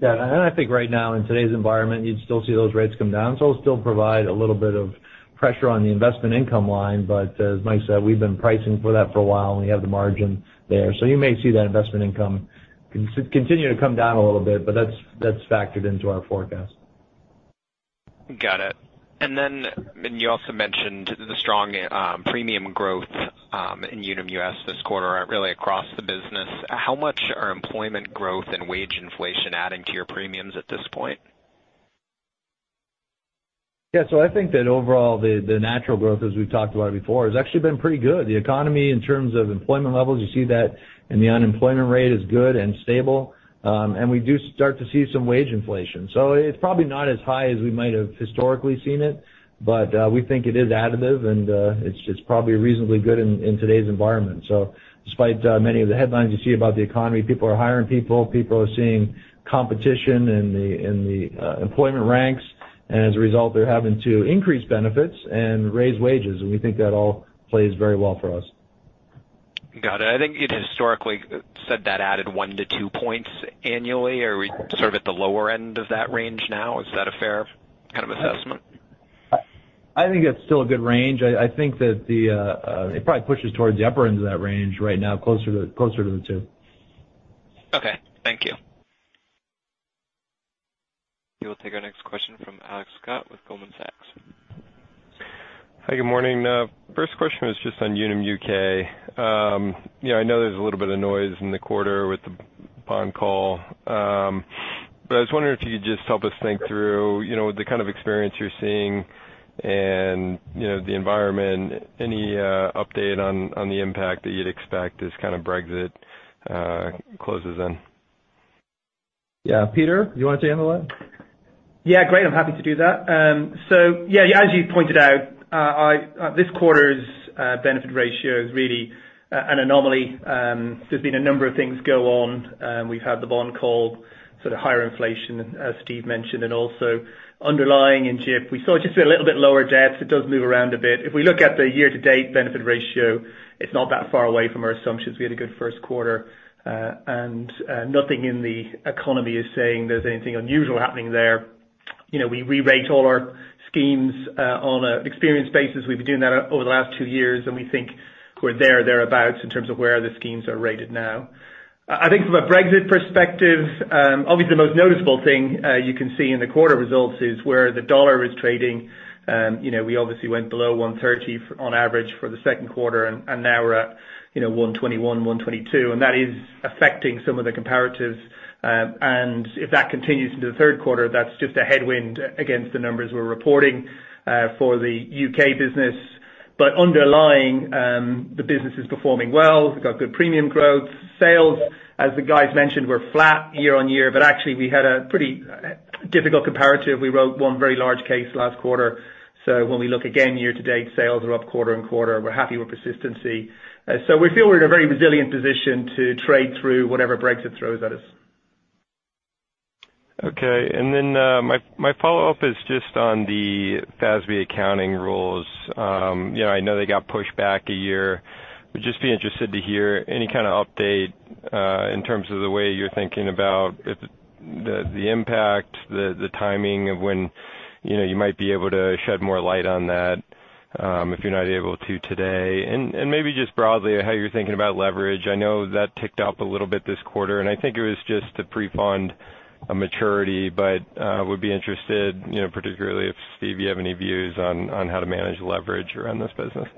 I think right now in today's environment, you'd still see those rates come down. It'll still provide a little bit of pressure on the investment income line, but as Mike said, we've been pricing for that for a while, and we have the margin there. You may see that investment income continue to come down a little bit, but that's factored into our forecast. Got it. You also mentioned the strong premium growth in Unum US this quarter, really across the business. How much are employment growth and wage inflation adding to your premiums at this point? Yeah. I think that overall, the natural growth, as we've talked about it before, has actually been pretty good. The economy in terms of employment levels, you see that, and the unemployment rate is good and stable. We do start to see some wage inflation. It's probably not as high as we might have historically seen it, but we think it is additive and it's probably reasonably good in today's environment. Despite many of the headlines you see about the economy, people are hiring people are seeing competition in the employment ranks, and as a result, they're having to increase benefits and raise wages. We think that all plays very well for us. Got it. I think you'd historically said that added 1 to 2 points annually. Are we sort of at the lower end of that range now? Is that a fair kind of assessment? I think it's still a good range. I think that it probably pushes towards the upper end of that range right now, closer to the two. Okay. Thank you. We will take our next question from Alex Scott with Goldman Sachs. Hi, good morning. First question was just on Unum UK. I know there's a little bit of noise in the quarter with the bond call. I was wondering if you could just help us think through the kind of experience you're seeing and the environment. Any update on the impact that you'd expect as Brexit closes in? Yeah. Peter, you want to handle that? Yeah, great. I'm happy to do that. Yeah, as you pointed out, this quarter's benefit ratio is really an anomaly. There's been a number of things go on. We've had the bond call, sort of higher inflation, as Steve mentioned, and also underlying in GIP. We saw just a little bit lower debt. It does move around a bit. If we look at the year-to-date benefit ratio, it's not that far away from our assumptions. We had a good first quarter. Nothing in the economy is saying there's anything unusual happening there. We rerate all our schemes on an experience basis. We've been doing that over the last two years, and we think we're there or thereabout in terms of where the schemes are rated now. I think from a Brexit perspective, obviously, the most noticeable thing you can see in the quarter results is where the dollar is trading. We obviously went below 1.30 on average for the second quarter. Now we're at 1.21, 1.22, and that is affecting some of the comparatives. If that continues into the third quarter, that's just a headwind against the numbers we're reporting for the U.K. business. Underlying, the business is performing well. We've got good premium growth. Sales, as the guys mentioned, were flat year-on-year, but actually we had a pretty difficult comparative. We wrote one very large case last quarter. When we look again year-to-date, sales are up quarter-on-quarter. We're happy with persistency. We feel we're in a very resilient position to trade through whatever Brexit throws at us. Okay. Then, my follow-up is just on the FASB accounting rules. I know they got pushed back a year. Would just be interested to hear any kind of update, in terms of the way you're thinking about the impact, the timing of when you might be able to shed more light on that, if you're not able to today. Maybe just broadly, how you're thinking about leverage. I know that ticked up a little bit this quarter, and I think it was just the pre-fund maturity, but would be interested particularly if, Steve, you have any views on how to manage leverage around this business.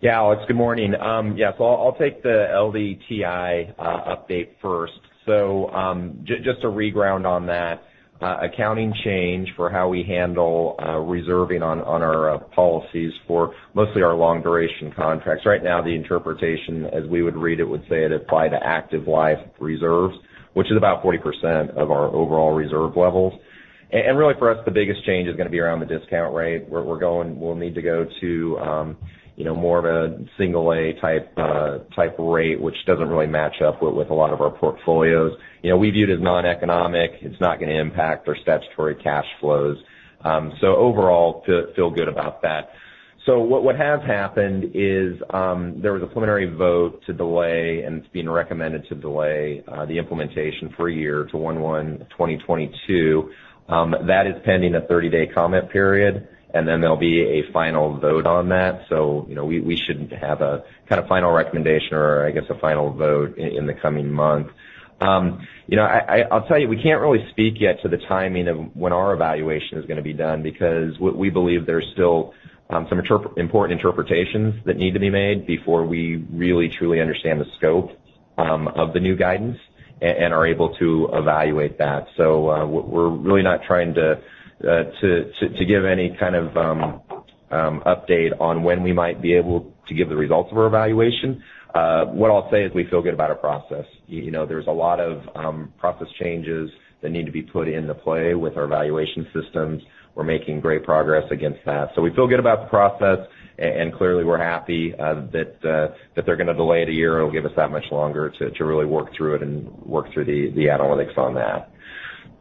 Yeah, Alex, good morning. I'll take the LDTI update first. Just to reground on that accounting change for how we handle reserving on our policies for mostly our long-duration contracts. Right now, the interpretation as we would read it would say it apply to active life reserves, which is about 40% of our overall reserve levels. Really for us, the biggest change is going to be around the discount rate, where we'll need to go to more of a single A type rate, which doesn't really match up with a lot of our portfolios. We view it as noneconomic. It's not going to impact our statutory cash flows. Overall, feel good about that. What has happened is, there was a preliminary vote to delay. It's been recommended to delay the implementation for a year to 01/01/2022. That is pending a 30-day comment period. Then there'll be a final vote on that. We should have a kind of final recommendation or I guess a final vote in the coming month. I'll tell you, we can't really speak yet to the timing of when our evaluation is going to be done because what we believe there's still some important interpretations that need to be made before we really truly understand the scope of the new guidance and are able to evaluate that. We're really not trying to give any kind of update on when we might be able to give the results of our evaluation. What I'll say is we feel good about our process. There's a lot of process changes that need to be put into play with our evaluation systems. We're making great progress against that. We feel good about the process, clearly we're happy that they're going to delay it a year. It'll give us that much longer to really work through it and work through the analytics on that.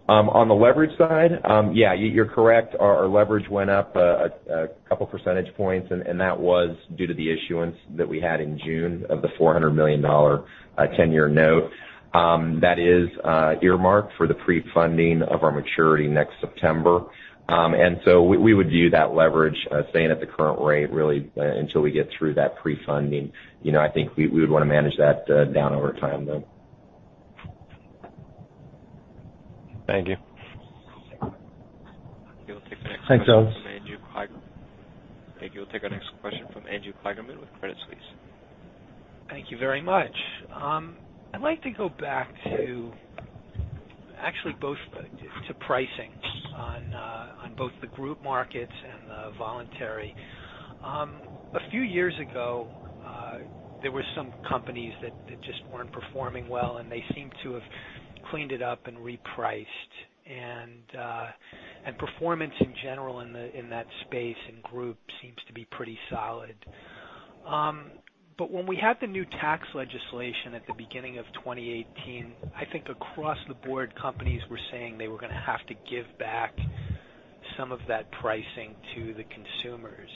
On the leverage side, yeah, you're correct. Our leverage went up a couple percentage points, and that was due to the issuance that we had in June of the $400 million term note. That is earmarked for the pre-funding of our maturity next September. We would view that leverage staying at the current rate, really until we get through that pre-funding. I think we would want to manage that down over time, though. Thank you. We'll take our next question from Andrew Kligerman with Credit Suisse. Thank you very much. I'd like to go back to pricing on both the group markets and the voluntary. A few years ago, there were some companies that just weren't performing well, and they seem to have cleaned it up and repriced. Performance in general in that space in Group seems to be pretty solid. When we had the new tax legislation at the beginning of 2018, I think across the board, companies were saying they were going to have to give back some of that pricing to the consumers.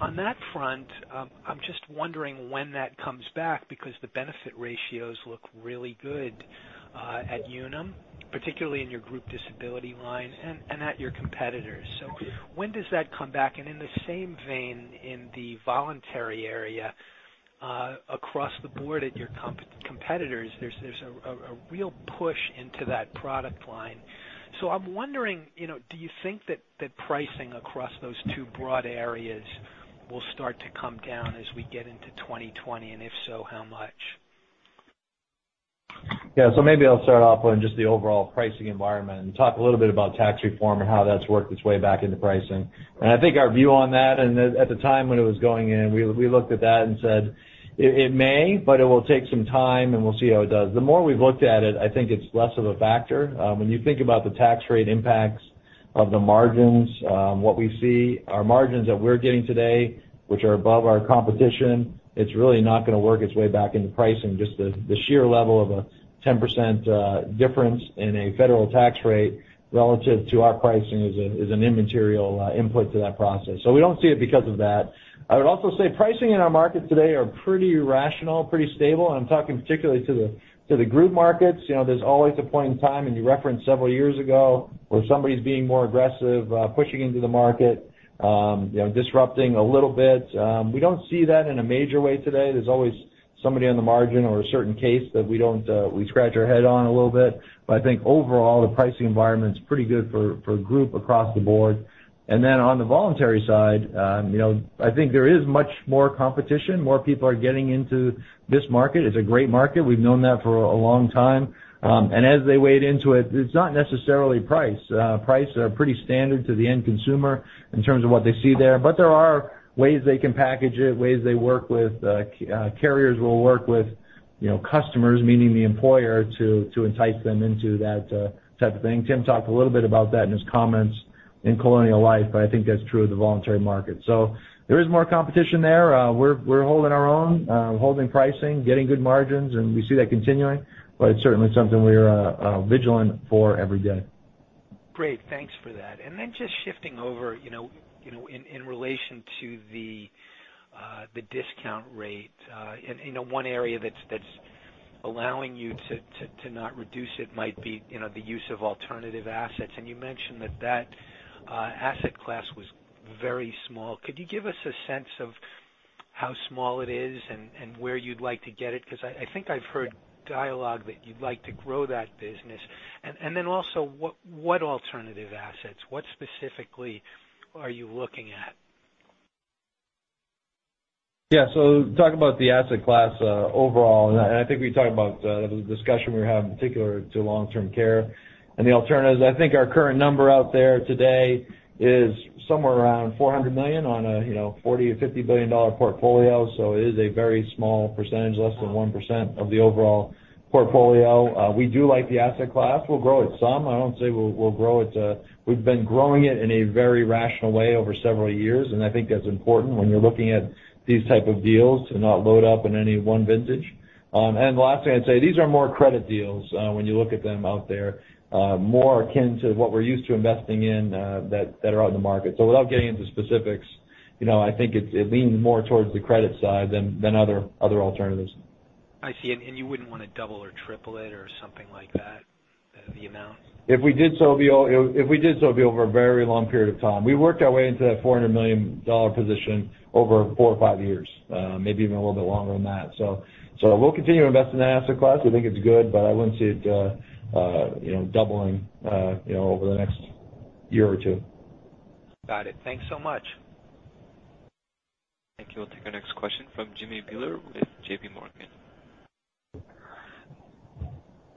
On that front, I'm just wondering when that comes back, because the benefit ratios look really good at Unum, particularly in your group disability line and at your competitors. When does that come back? In the same vein, in the voluntary area, across the board at your competitors, there's a real push into that product line. I'm wondering, do you think that pricing across those two broad areas will start to come down as we get into 2020? If so, how much? Maybe I'll start off on just the overall pricing environment and talk a little bit about tax reform and how that's worked its way back into pricing. I think our view on that, and at the time when it was going in, we looked at that and said, "It may, but it will take some time, and we'll see how it does." The more we've looked at it, I think it's less of a factor. When you think about the tax rate impacts of the margins, what we see are margins that we're getting today, which are above our competition. It's really not going to work its way back into pricing. Just the sheer level of a 10% difference in a federal tax rate relative to our pricing is an immaterial input to that process. We don't see it because of that. I would also say pricing in our market today are pretty rational, pretty stable, and I'm talking particularly to the group markets. There's always a point in time, and you referenced several years ago, where somebody's being more aggressive, pushing into the market, disrupting a little bit. We don't see that in a major way today. There's always somebody on the margin or a certain case that we scratch our head on a little bit. I think overall, the pricing environment is pretty good for Group across the board. Then on the voluntary side, I think there is much more competition. More people are getting into this market. It's a great market. We've known that for a long time. As they wade into it's not necessarily price. Prices are pretty standard to the end consumer in terms of what they see there. There are ways they can package it, ways they work with carriers will work with customers, meaning the employer, to entice them into that type of thing. Tim talked a little bit about that in his comments in Colonial Life, I think that's true of the voluntary market. There is more competition there. We're holding our own, holding pricing, getting good margins, we see that continuing, it's certainly something we are vigilant for every day. Great. Thanks for that. Just shifting over, in relation to the discount rate, one area that's allowing you to not reduce it might be the use of alternative assets. You mentioned that that asset class was very small. Could you give us a sense of how small it is and where you'd like to get it? Because I think I've heard dialogue that you'd like to grow that business. Also, what alternative assets? What specifically are you looking at? Talking about the asset class overall, I think we talked about the discussion we had in particular to long-term care and the alternatives. I think our current number out there today is somewhere around $400 million on a $40 or $50 billion portfolio. It is a very small percentage, less than 1% of the overall portfolio. We do like the asset class. We'll grow it some. We've been growing it in a very rational way over several years, and I think that's important when you're looking at these type of deals to not load up in any one vintage. The last thing I'd say, these are more credit deals when you look at them out there, more akin to what we're used to investing in that are out in the market. Without getting into specifics, I think it leans more towards the credit side than other alternatives. I see. You wouldn't want to double or triple it or something like that, the amount? If we did so, it would be over a very long period of time. We worked our way into that $400 million position over four or five years, maybe even a little bit longer than that. We'll continue to invest in the asset class. We think it's good, but I wouldn't see it doubling over the next year or two. Got it. Thanks so much. Thank you. We'll take our next question from Jimmy Bhullar with JPMorgan.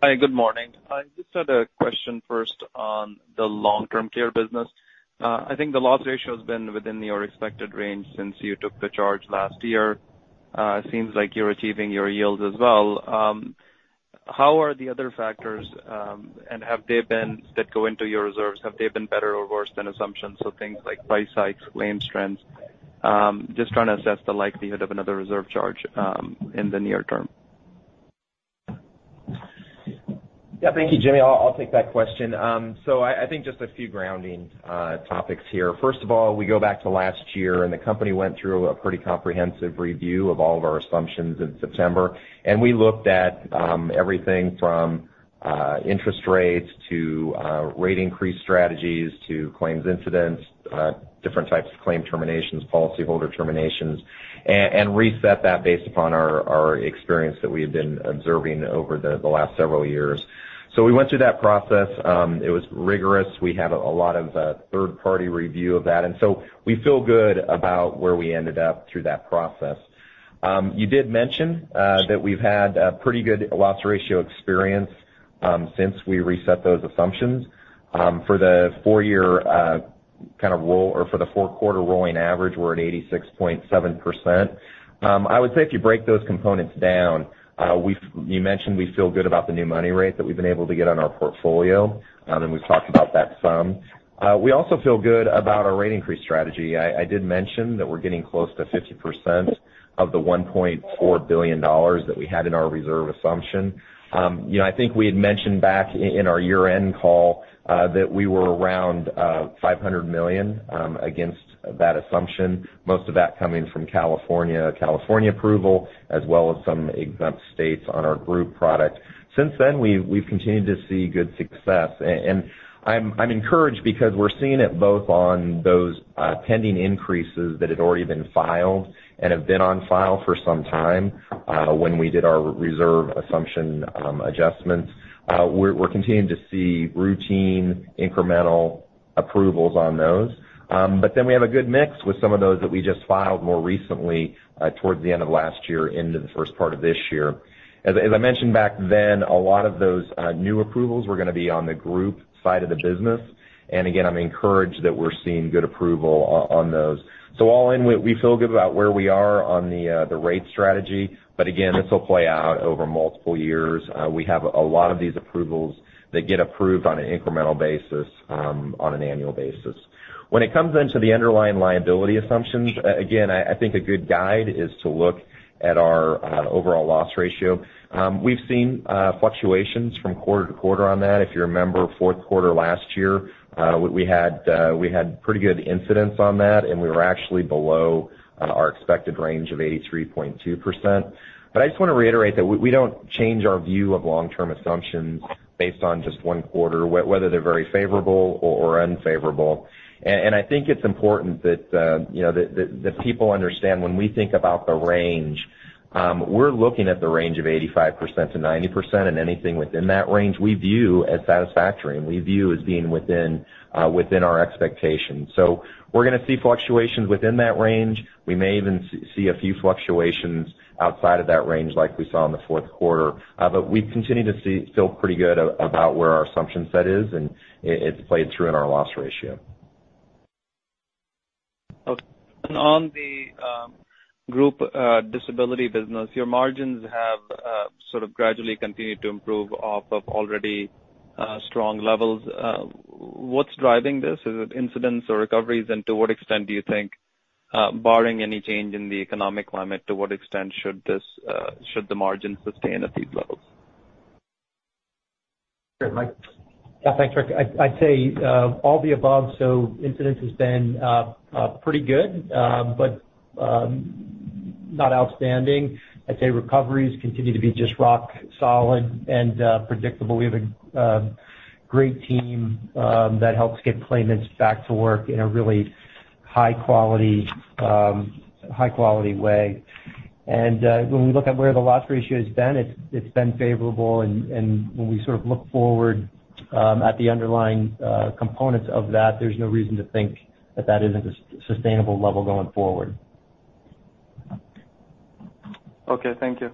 Hi, good morning. I just had a question first on the long-term care business. I think the loss ratio has been within your expected range since you took the charge last year. It seems like you're achieving your yields as well. How are the other factors, and have they been, that go into your reserves, have they been better or worse than assumptions? Things like price hikes, claims trends. Just trying to assess the likelihood of another reserve charge in the near term. Thank you, Jimmy. I'll take that question. I think just a few grounding topics here. First of all, we go back to last year and the company went through a pretty comprehensive review of all of our assumptions in September. We looked at everything from interest rates to rate increase strategies to claims incidents, different types of claim terminations, policyholder terminations, and reset that based upon our experience that we had been observing over the last several years. We went through that process. It was rigorous. We had a lot of third-party review of that. We feel good about where we ended up through that process. You did mention that we've had a pretty good loss ratio experience since we reset those assumptions. For the four-quarter rolling average, we're at 86.7%. I would say if you break those components down, you mentioned we feel good about the new money rate that we've been able to get on our portfolio. We've talked about that some. We also feel good about our rate increase strategy. I did mention that we're getting close to 50% of the $1.4 billion that we had in our reserve assumption. I think we had mentioned back in our year-end call that we were around $500 million against that assumption, most of that coming from California approval, as well as some exempt states on our group product. Since then, we've continued to see good success. I'm encouraged because we're seeing it both on those pending increases that had already been filed and have been on file for some time when we did our reserve assumption adjustments. We're continuing to see routine incremental approvals on those. We have a good mix with some of those that we just filed more recently towards the end of last year into the first part of this year. As I mentioned back then, a lot of those new approvals were going to be on the group side of the business. Again, I'm encouraged that we're seeing good approval on those. All in, we feel good about where we are on the rate strategy, but again, this will play out over multiple years. We have a lot of these approvals that get approved on an incremental basis, on an annual basis. When it comes then to the underlying liability assumptions, again, I think a good guide is to look at our overall loss ratio. We've seen fluctuations from quarter to quarter on that. If you remember fourth quarter last year, we had pretty good incidents on that. We were actually below our expected range of 83.2%. I just want to reiterate that we don't change our view of long-term assumptions based on just one quarter, whether they're very favorable or unfavorable. I think it's important that people understand when we think about the range, we're looking at the range of 85%-90%. Anything within that range, we view as satisfactory, and we view as being within our expectations. We're going to see fluctuations within that range. We may even see a few fluctuations outside of that range like we saw in the fourth quarter. We continue to feel pretty good about where our assumption set is, and it's played through in our loss ratio. Okay. On the group disability business, your margins have sort of gradually continued to improve off of already strong levels. What's driving this? Is it incidents or recoveries? To what extent do you think, barring any change in the economic climate, to what extent should the margin sustain at these levels? Sure, Mike. Yeah, thanks, Rick. I'd say all the above. Incidents has been pretty good, but not outstanding. I'd say recoveries continue to be just rock solid and predictable. We have a great team that helps get claimants back to work in a really high-quality way. When we look at where the loss ratio has been, it's been favorable, and when we sort of look forward at the underlying components of that, there's no reason to think that that isn't a sustainable level going forward. Okay. Thank you.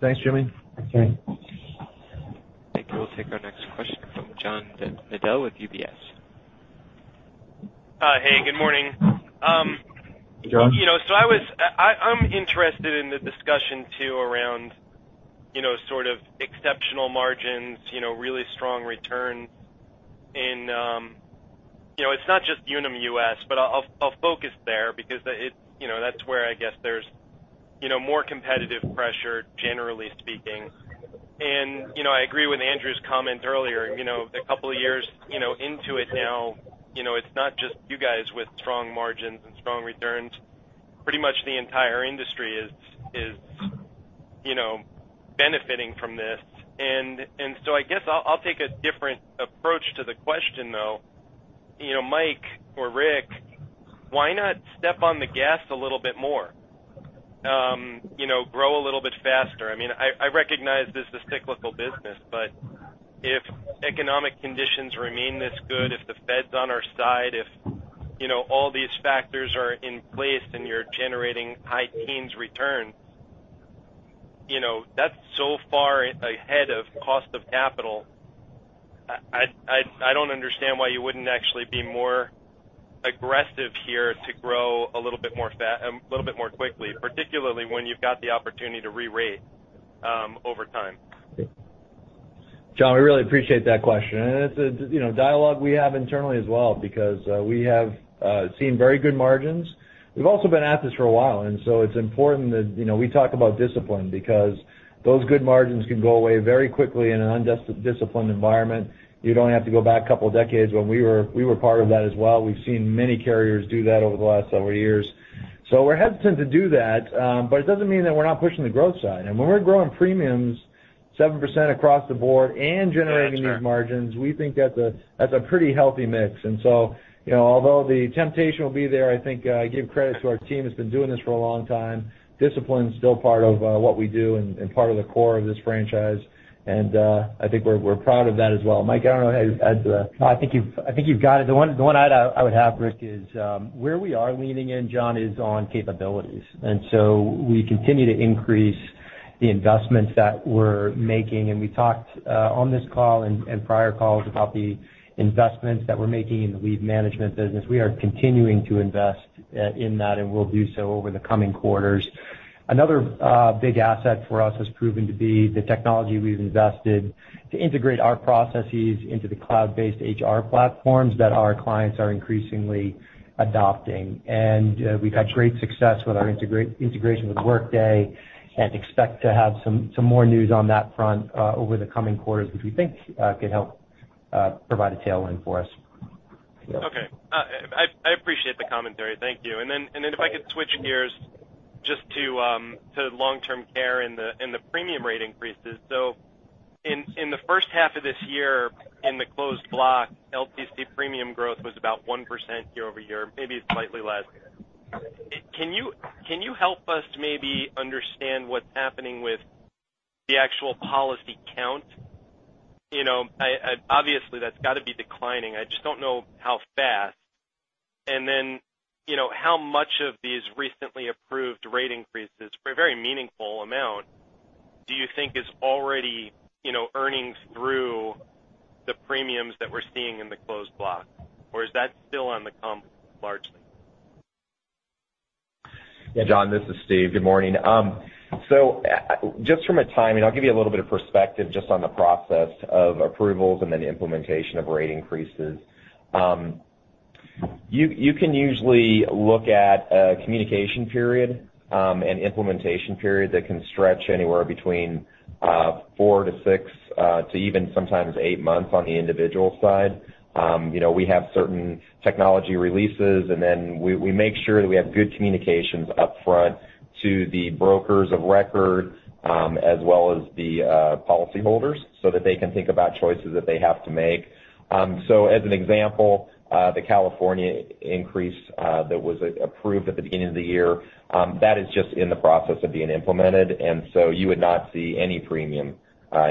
Thanks, Jimmy. Thanks, Jimmy. I think we'll take our next question from John Nadel with UBS. Hey, good morning. Hey, John. I'm interested in the discussion too around sort of exceptional margins, really strong returns in, it's not just Unum US, but I'll focus there because that's where I guess there's more competitive pressure, generally speaking. I agree with Andrew's comment earlier. A couple of years into it now, it's not just you guys with strong margins and strong returns. Pretty much the entire industry is benefiting from this. I guess I'll take a different approach to the question, though. Mike or Rick, why not step on the gas a little bit more? Grow a little bit faster. I recognize this is cyclical business, but if economic conditions remain this good, if the Fed's on our side, if all these factors are in place and you're generating high teens return, that's so far ahead of cost of capital. I don't understand why you wouldn't actually be more aggressive here to grow a little bit more quickly, particularly when you've got the opportunity to re-rate over time. John, we really appreciate that question. It's a dialogue we have internally as well because we have seen very good margins. We've also been at this for a while. It's important that we talk about discipline because those good margins can go away very quickly in an undisciplined environment. You don't have to go back a couple of decades when we were part of that as well. We've seen many carriers do that over the last several years. We're hesitant to do that, but it doesn't mean that we're not pushing the growth side. When we're growing premiums 7% across the board and generating these margins, we think that's a pretty healthy mix. Although the temptation will be there, I think I give credit to our team that's been doing this for a long time. Discipline's still part of what we do and part of the core of this franchise, and I think we're proud of that as well. Mike, I don't know. No, I think you've got it. The one I would have, Rick, is where we are leaning in, John, is on capabilities. We continue to increase the investments that we're making, and we talked on this call and prior calls about the investments that we're making in the lead management business. We are continuing to invest in that and will do so over the coming quarters. Another big asset for us has proven to be the technology we've invested to integrate our processes into the cloud-based HR platforms that our clients are increasingly adopting. We've had great success with our integration with Workday and expect to have some more news on that front over the coming quarters, which we think could help provide a tailwind for us. Okay. I appreciate the commentary. Thank you. If I could switch gears just to long-term care and the premium rate increases. In the first half of this year, in the closed block, LTC premium growth was about 1% year-over-year, maybe slightly less. Can you help us maybe understand what's happening with the actual policy count? Obviously, that's got to be declining. I just don't know how fast. Then, how much of these recently approved rate increases, for a very meaningful amount, do you think is already earnings through the premiums that we're seeing in the closed block? Or is that still on the comp largely? Yeah, John, this is Steve. Good morning. Just from a timing, I'll give you a little bit of perspective just on the process of approvals and then the implementation of rate increases. You can usually look at a communication period, an implementation period that can stretch anywhere between four to six to even sometimes eight months on the individual side. We have certain technology releases, and then we make sure that we have good communications upfront to the brokers of record, as well as the policyholders, so that they can think about choices that they have to make. As an example, the California increase that was approved at the beginning of the year, that is just in the process of being implemented, and so you would not see any premium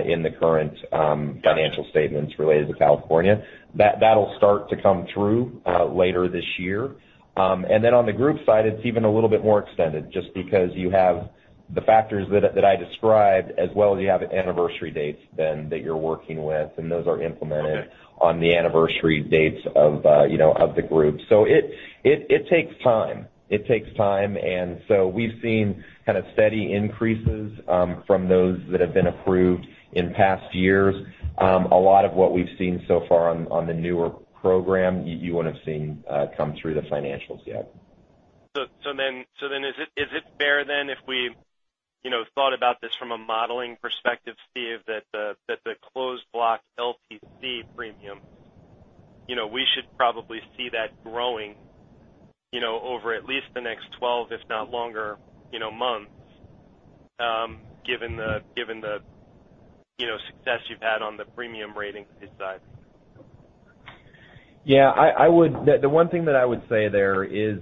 in the current financial statements related to California. That'll start to come through later this year. On the group side, it's even a little bit more extended just because you have the factors that I described, as well as you have anniversary dates that you're working with, and those are implemented on the anniversary dates of the group. It takes time. It takes time. We've seen kind of steady increases from those that have been approved in past years. A lot of what we've seen so far on the newer program, you wouldn't have seen come through the financials yet. Is it fair then if we thought about this from a modeling perspective, Steve, that the closed block LTC premium, we should probably see that growing over at least the next 12, if not longer, months, given the success you've had on the premium rating side? Yeah. The one thing that I would say there is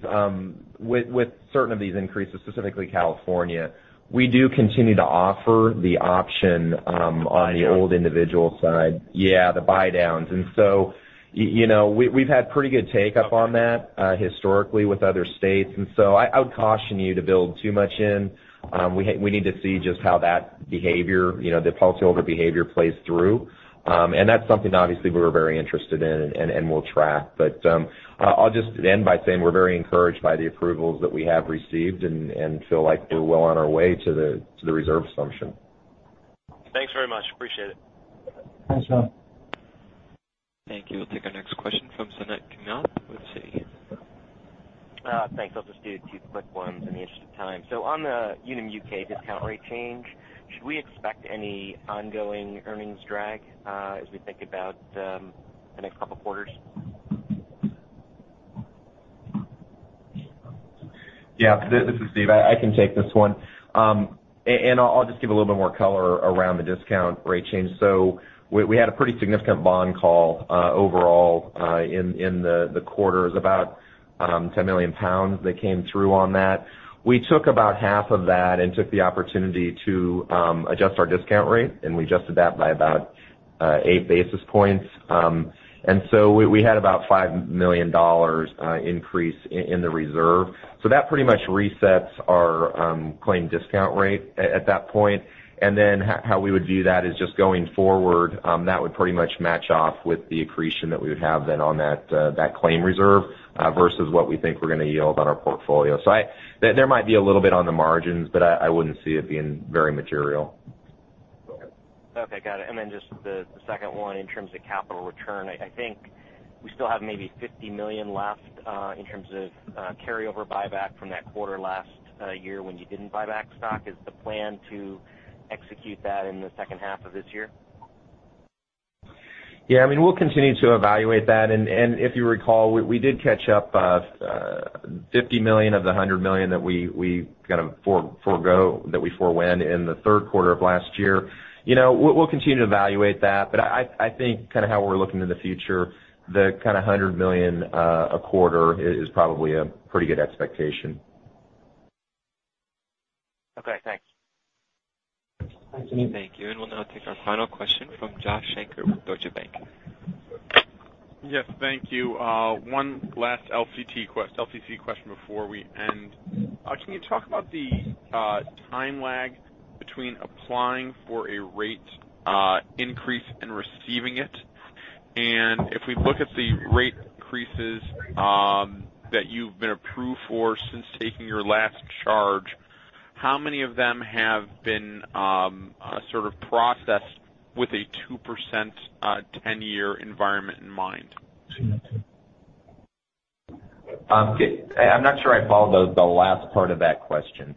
with certain of these increases, specifically California, we do continue to offer the option on the old individual side. Yeah, the buy-downs. We've had pretty good take-up on that historically with other states, and so I would caution you to build too much in. We need to see just how that behavior, the policyholder behavior plays through. That's something obviously we're very interested in and we'll track. I'll just end by saying we're very encouraged by the approvals that we have received and feel like we're well on our way to the reserve assumption. Thanks very much. Appreciate it. Thanks, John. Thank you. We'll take our next question from Suneet Kamath with Citi. Thanks. I'll just do two quick ones in the interest of time. On the Unum UK discount rate change, should we expect any ongoing earnings drag as we think about the next couple of quarters? Yeah. This is Steve. I can take this one. I'll just give a little bit more color around the discount rate change. We had a pretty significant bond call overall in the quarter. It was about 10 million pounds that came through on that. We took about half of that and took the opportunity to adjust our discount rate, and we adjusted that by about eight basis points. We had about $5 million increase in the reserve. That pretty much resets our claim discount rate at that point, how we would view that is just going forward, that would pretty much match off with the accretion that we would have then on that claim reserve versus what we think we're going to yield on our portfolio. There might be a little bit on the margins, but I wouldn't see it being very material. Okay, got it. Just the second one in terms of capital return, I think we still have maybe $50 million left in terms of carryover buyback from that quarter last year when you didn't buy back stock. Is the plan to execute that in the second half of this year? Yeah, we'll continue to evaluate that. If you recall, we did catch up $50 million of the $100 million that we forewent in the third quarter of last year. We'll continue to evaluate that. I think how we're looking in the future, the kind of $100 million a quarter is probably a pretty good expectation. Okay, thanks. Thank you. We'll now take our final question from Joshua Shanker with Deutsche Bank. Yes, thank you. One last LTC question before we end. Can you talk about the time lag between applying for a rate increase and receiving it? If we look at the rate increases that you've been approved for since taking your last charge, how many of them have been processed with a 2% 10-year environment in mind? I'm not sure I followed the last part of that question.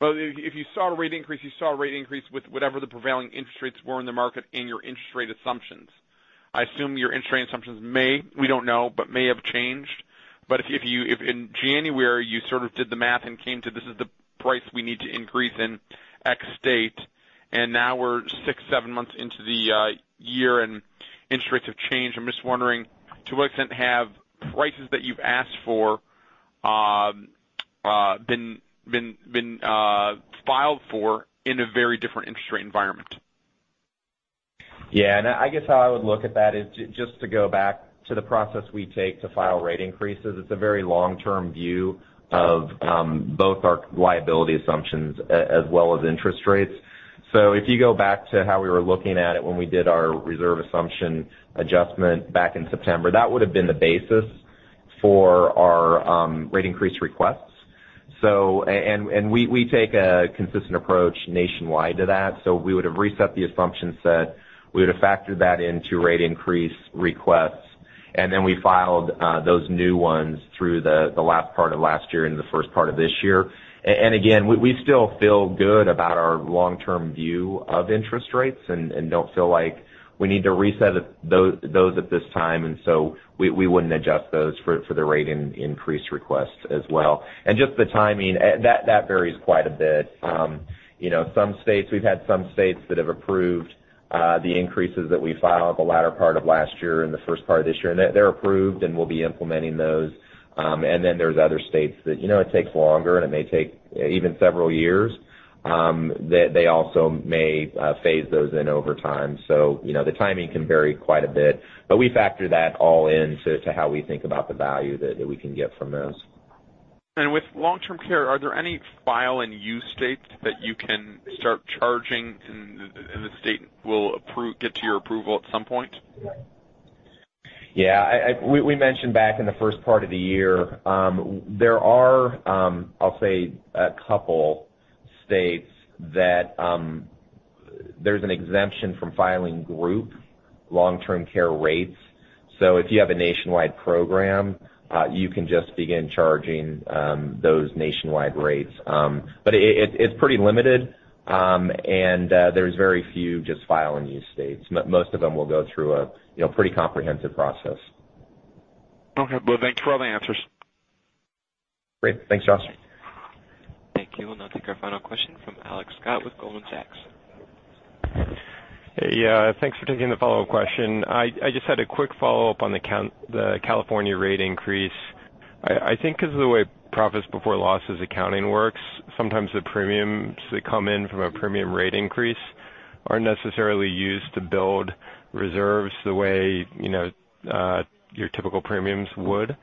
Well, if you saw a rate increase, you saw a rate increase with whatever the prevailing interest rates were in the market and your interest rate assumptions. I assume your interest rate assumptions may, we don't know, but may have changed. If in January you sort of did the math and came to this is the price we need to increase in X state, and now we're six, seven months into the year and interest rates have changed. I'm just wondering, to what extent have prices that you've asked for been filed for in a very different interest rate environment? I guess how I would look at that is just to go back to the process we take to file rate increases. It's a very long-term view of both our liability assumptions as well as interest rates. If you go back to how we were looking at it when we did our reserve assumption adjustment back in September, that would've been the basis for our rate increase requests. We take a consistent approach nationwide to that. We would've reset the assumption set, we would've factored that into rate increase requests, and then we filed those new ones through the last part of last year and the first part of this year. Again, we still feel good about our long-term view of interest rates and don't feel like we need to reset those at this time, we wouldn't adjust those for the rate increase requests as well. Just the timing, that varies quite a bit. Some states we've had some states that have approved the increases that we filed the latter part of last year and the first part of this year, and they're approved and we'll be implementing those. Then there's other states that it takes longer, and it may take even several years, that they also may phase those in over time. The timing can vary quite a bit, but we factor that all into how we think about the value that we can get from those. With long-term care, are there any file and use states that you can start charging and the state will get to your approval at some point? Yeah. We mentioned back in the first part of the year, there are, I'll say, a couple states that there's an exemption from filing group long-term care rates. If you have a nationwide program, you can just begin charging those nationwide rates. It's pretty limited, and there's very few just file and use states. Most of them will go through a pretty comprehensive process. Okay. Well, thanks for all the answers. Great. Thanks, Josh. Thank you. We'll now take our final question from Alex Scott with Goldman Sachs. Hey, yeah. Thanks for taking the follow-up question. I just had a quick follow-up on the California rate increase. I think because of the way profits before losses accounting works, sometimes the premiums that come in from a premium rate increase aren't necessarily used to build reserves the way your typical premiums would.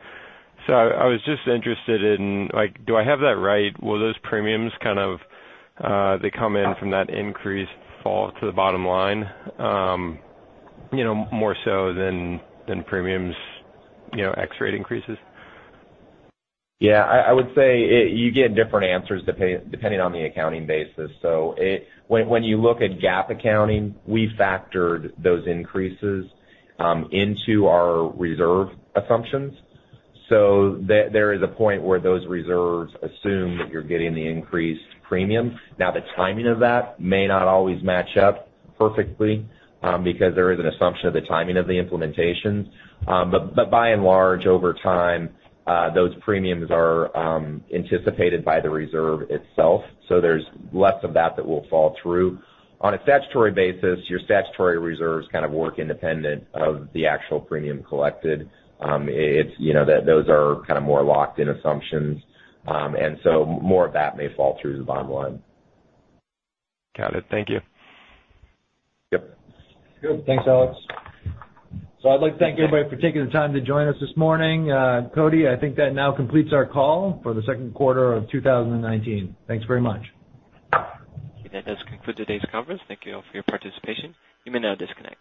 I was just interested in, do I have that right? Will those premiums kind of come in from that increase fall to the bottom line more so than premiums ex rate increases? Yeah, I would say you get different answers depending on the accounting basis. When you look at GAAP accounting, we factored those increases into our reserve assumptions. There is a point where those reserves assume that you're getting the increased premium. Now, the timing of that may not always match up perfectly, because there is an assumption of the timing of the implementations. By and large, over time, those premiums are anticipated by the reserve itself, so there's less of that that will fall through. On a statutory basis, your statutory reserves kind of work independent of the actual premium collected. Those are kind of more locked in assumptions. More of that may fall through to the bottom line. Got it. Thank you. Yep. Good. Thanks, Alex. I'd like to thank everybody for taking the time to join us this morning. Cody, I think that now completes our call for the second quarter of 2019. Thanks very much. That does conclude today's conference. Thank you all for your participation. You may now disconnect.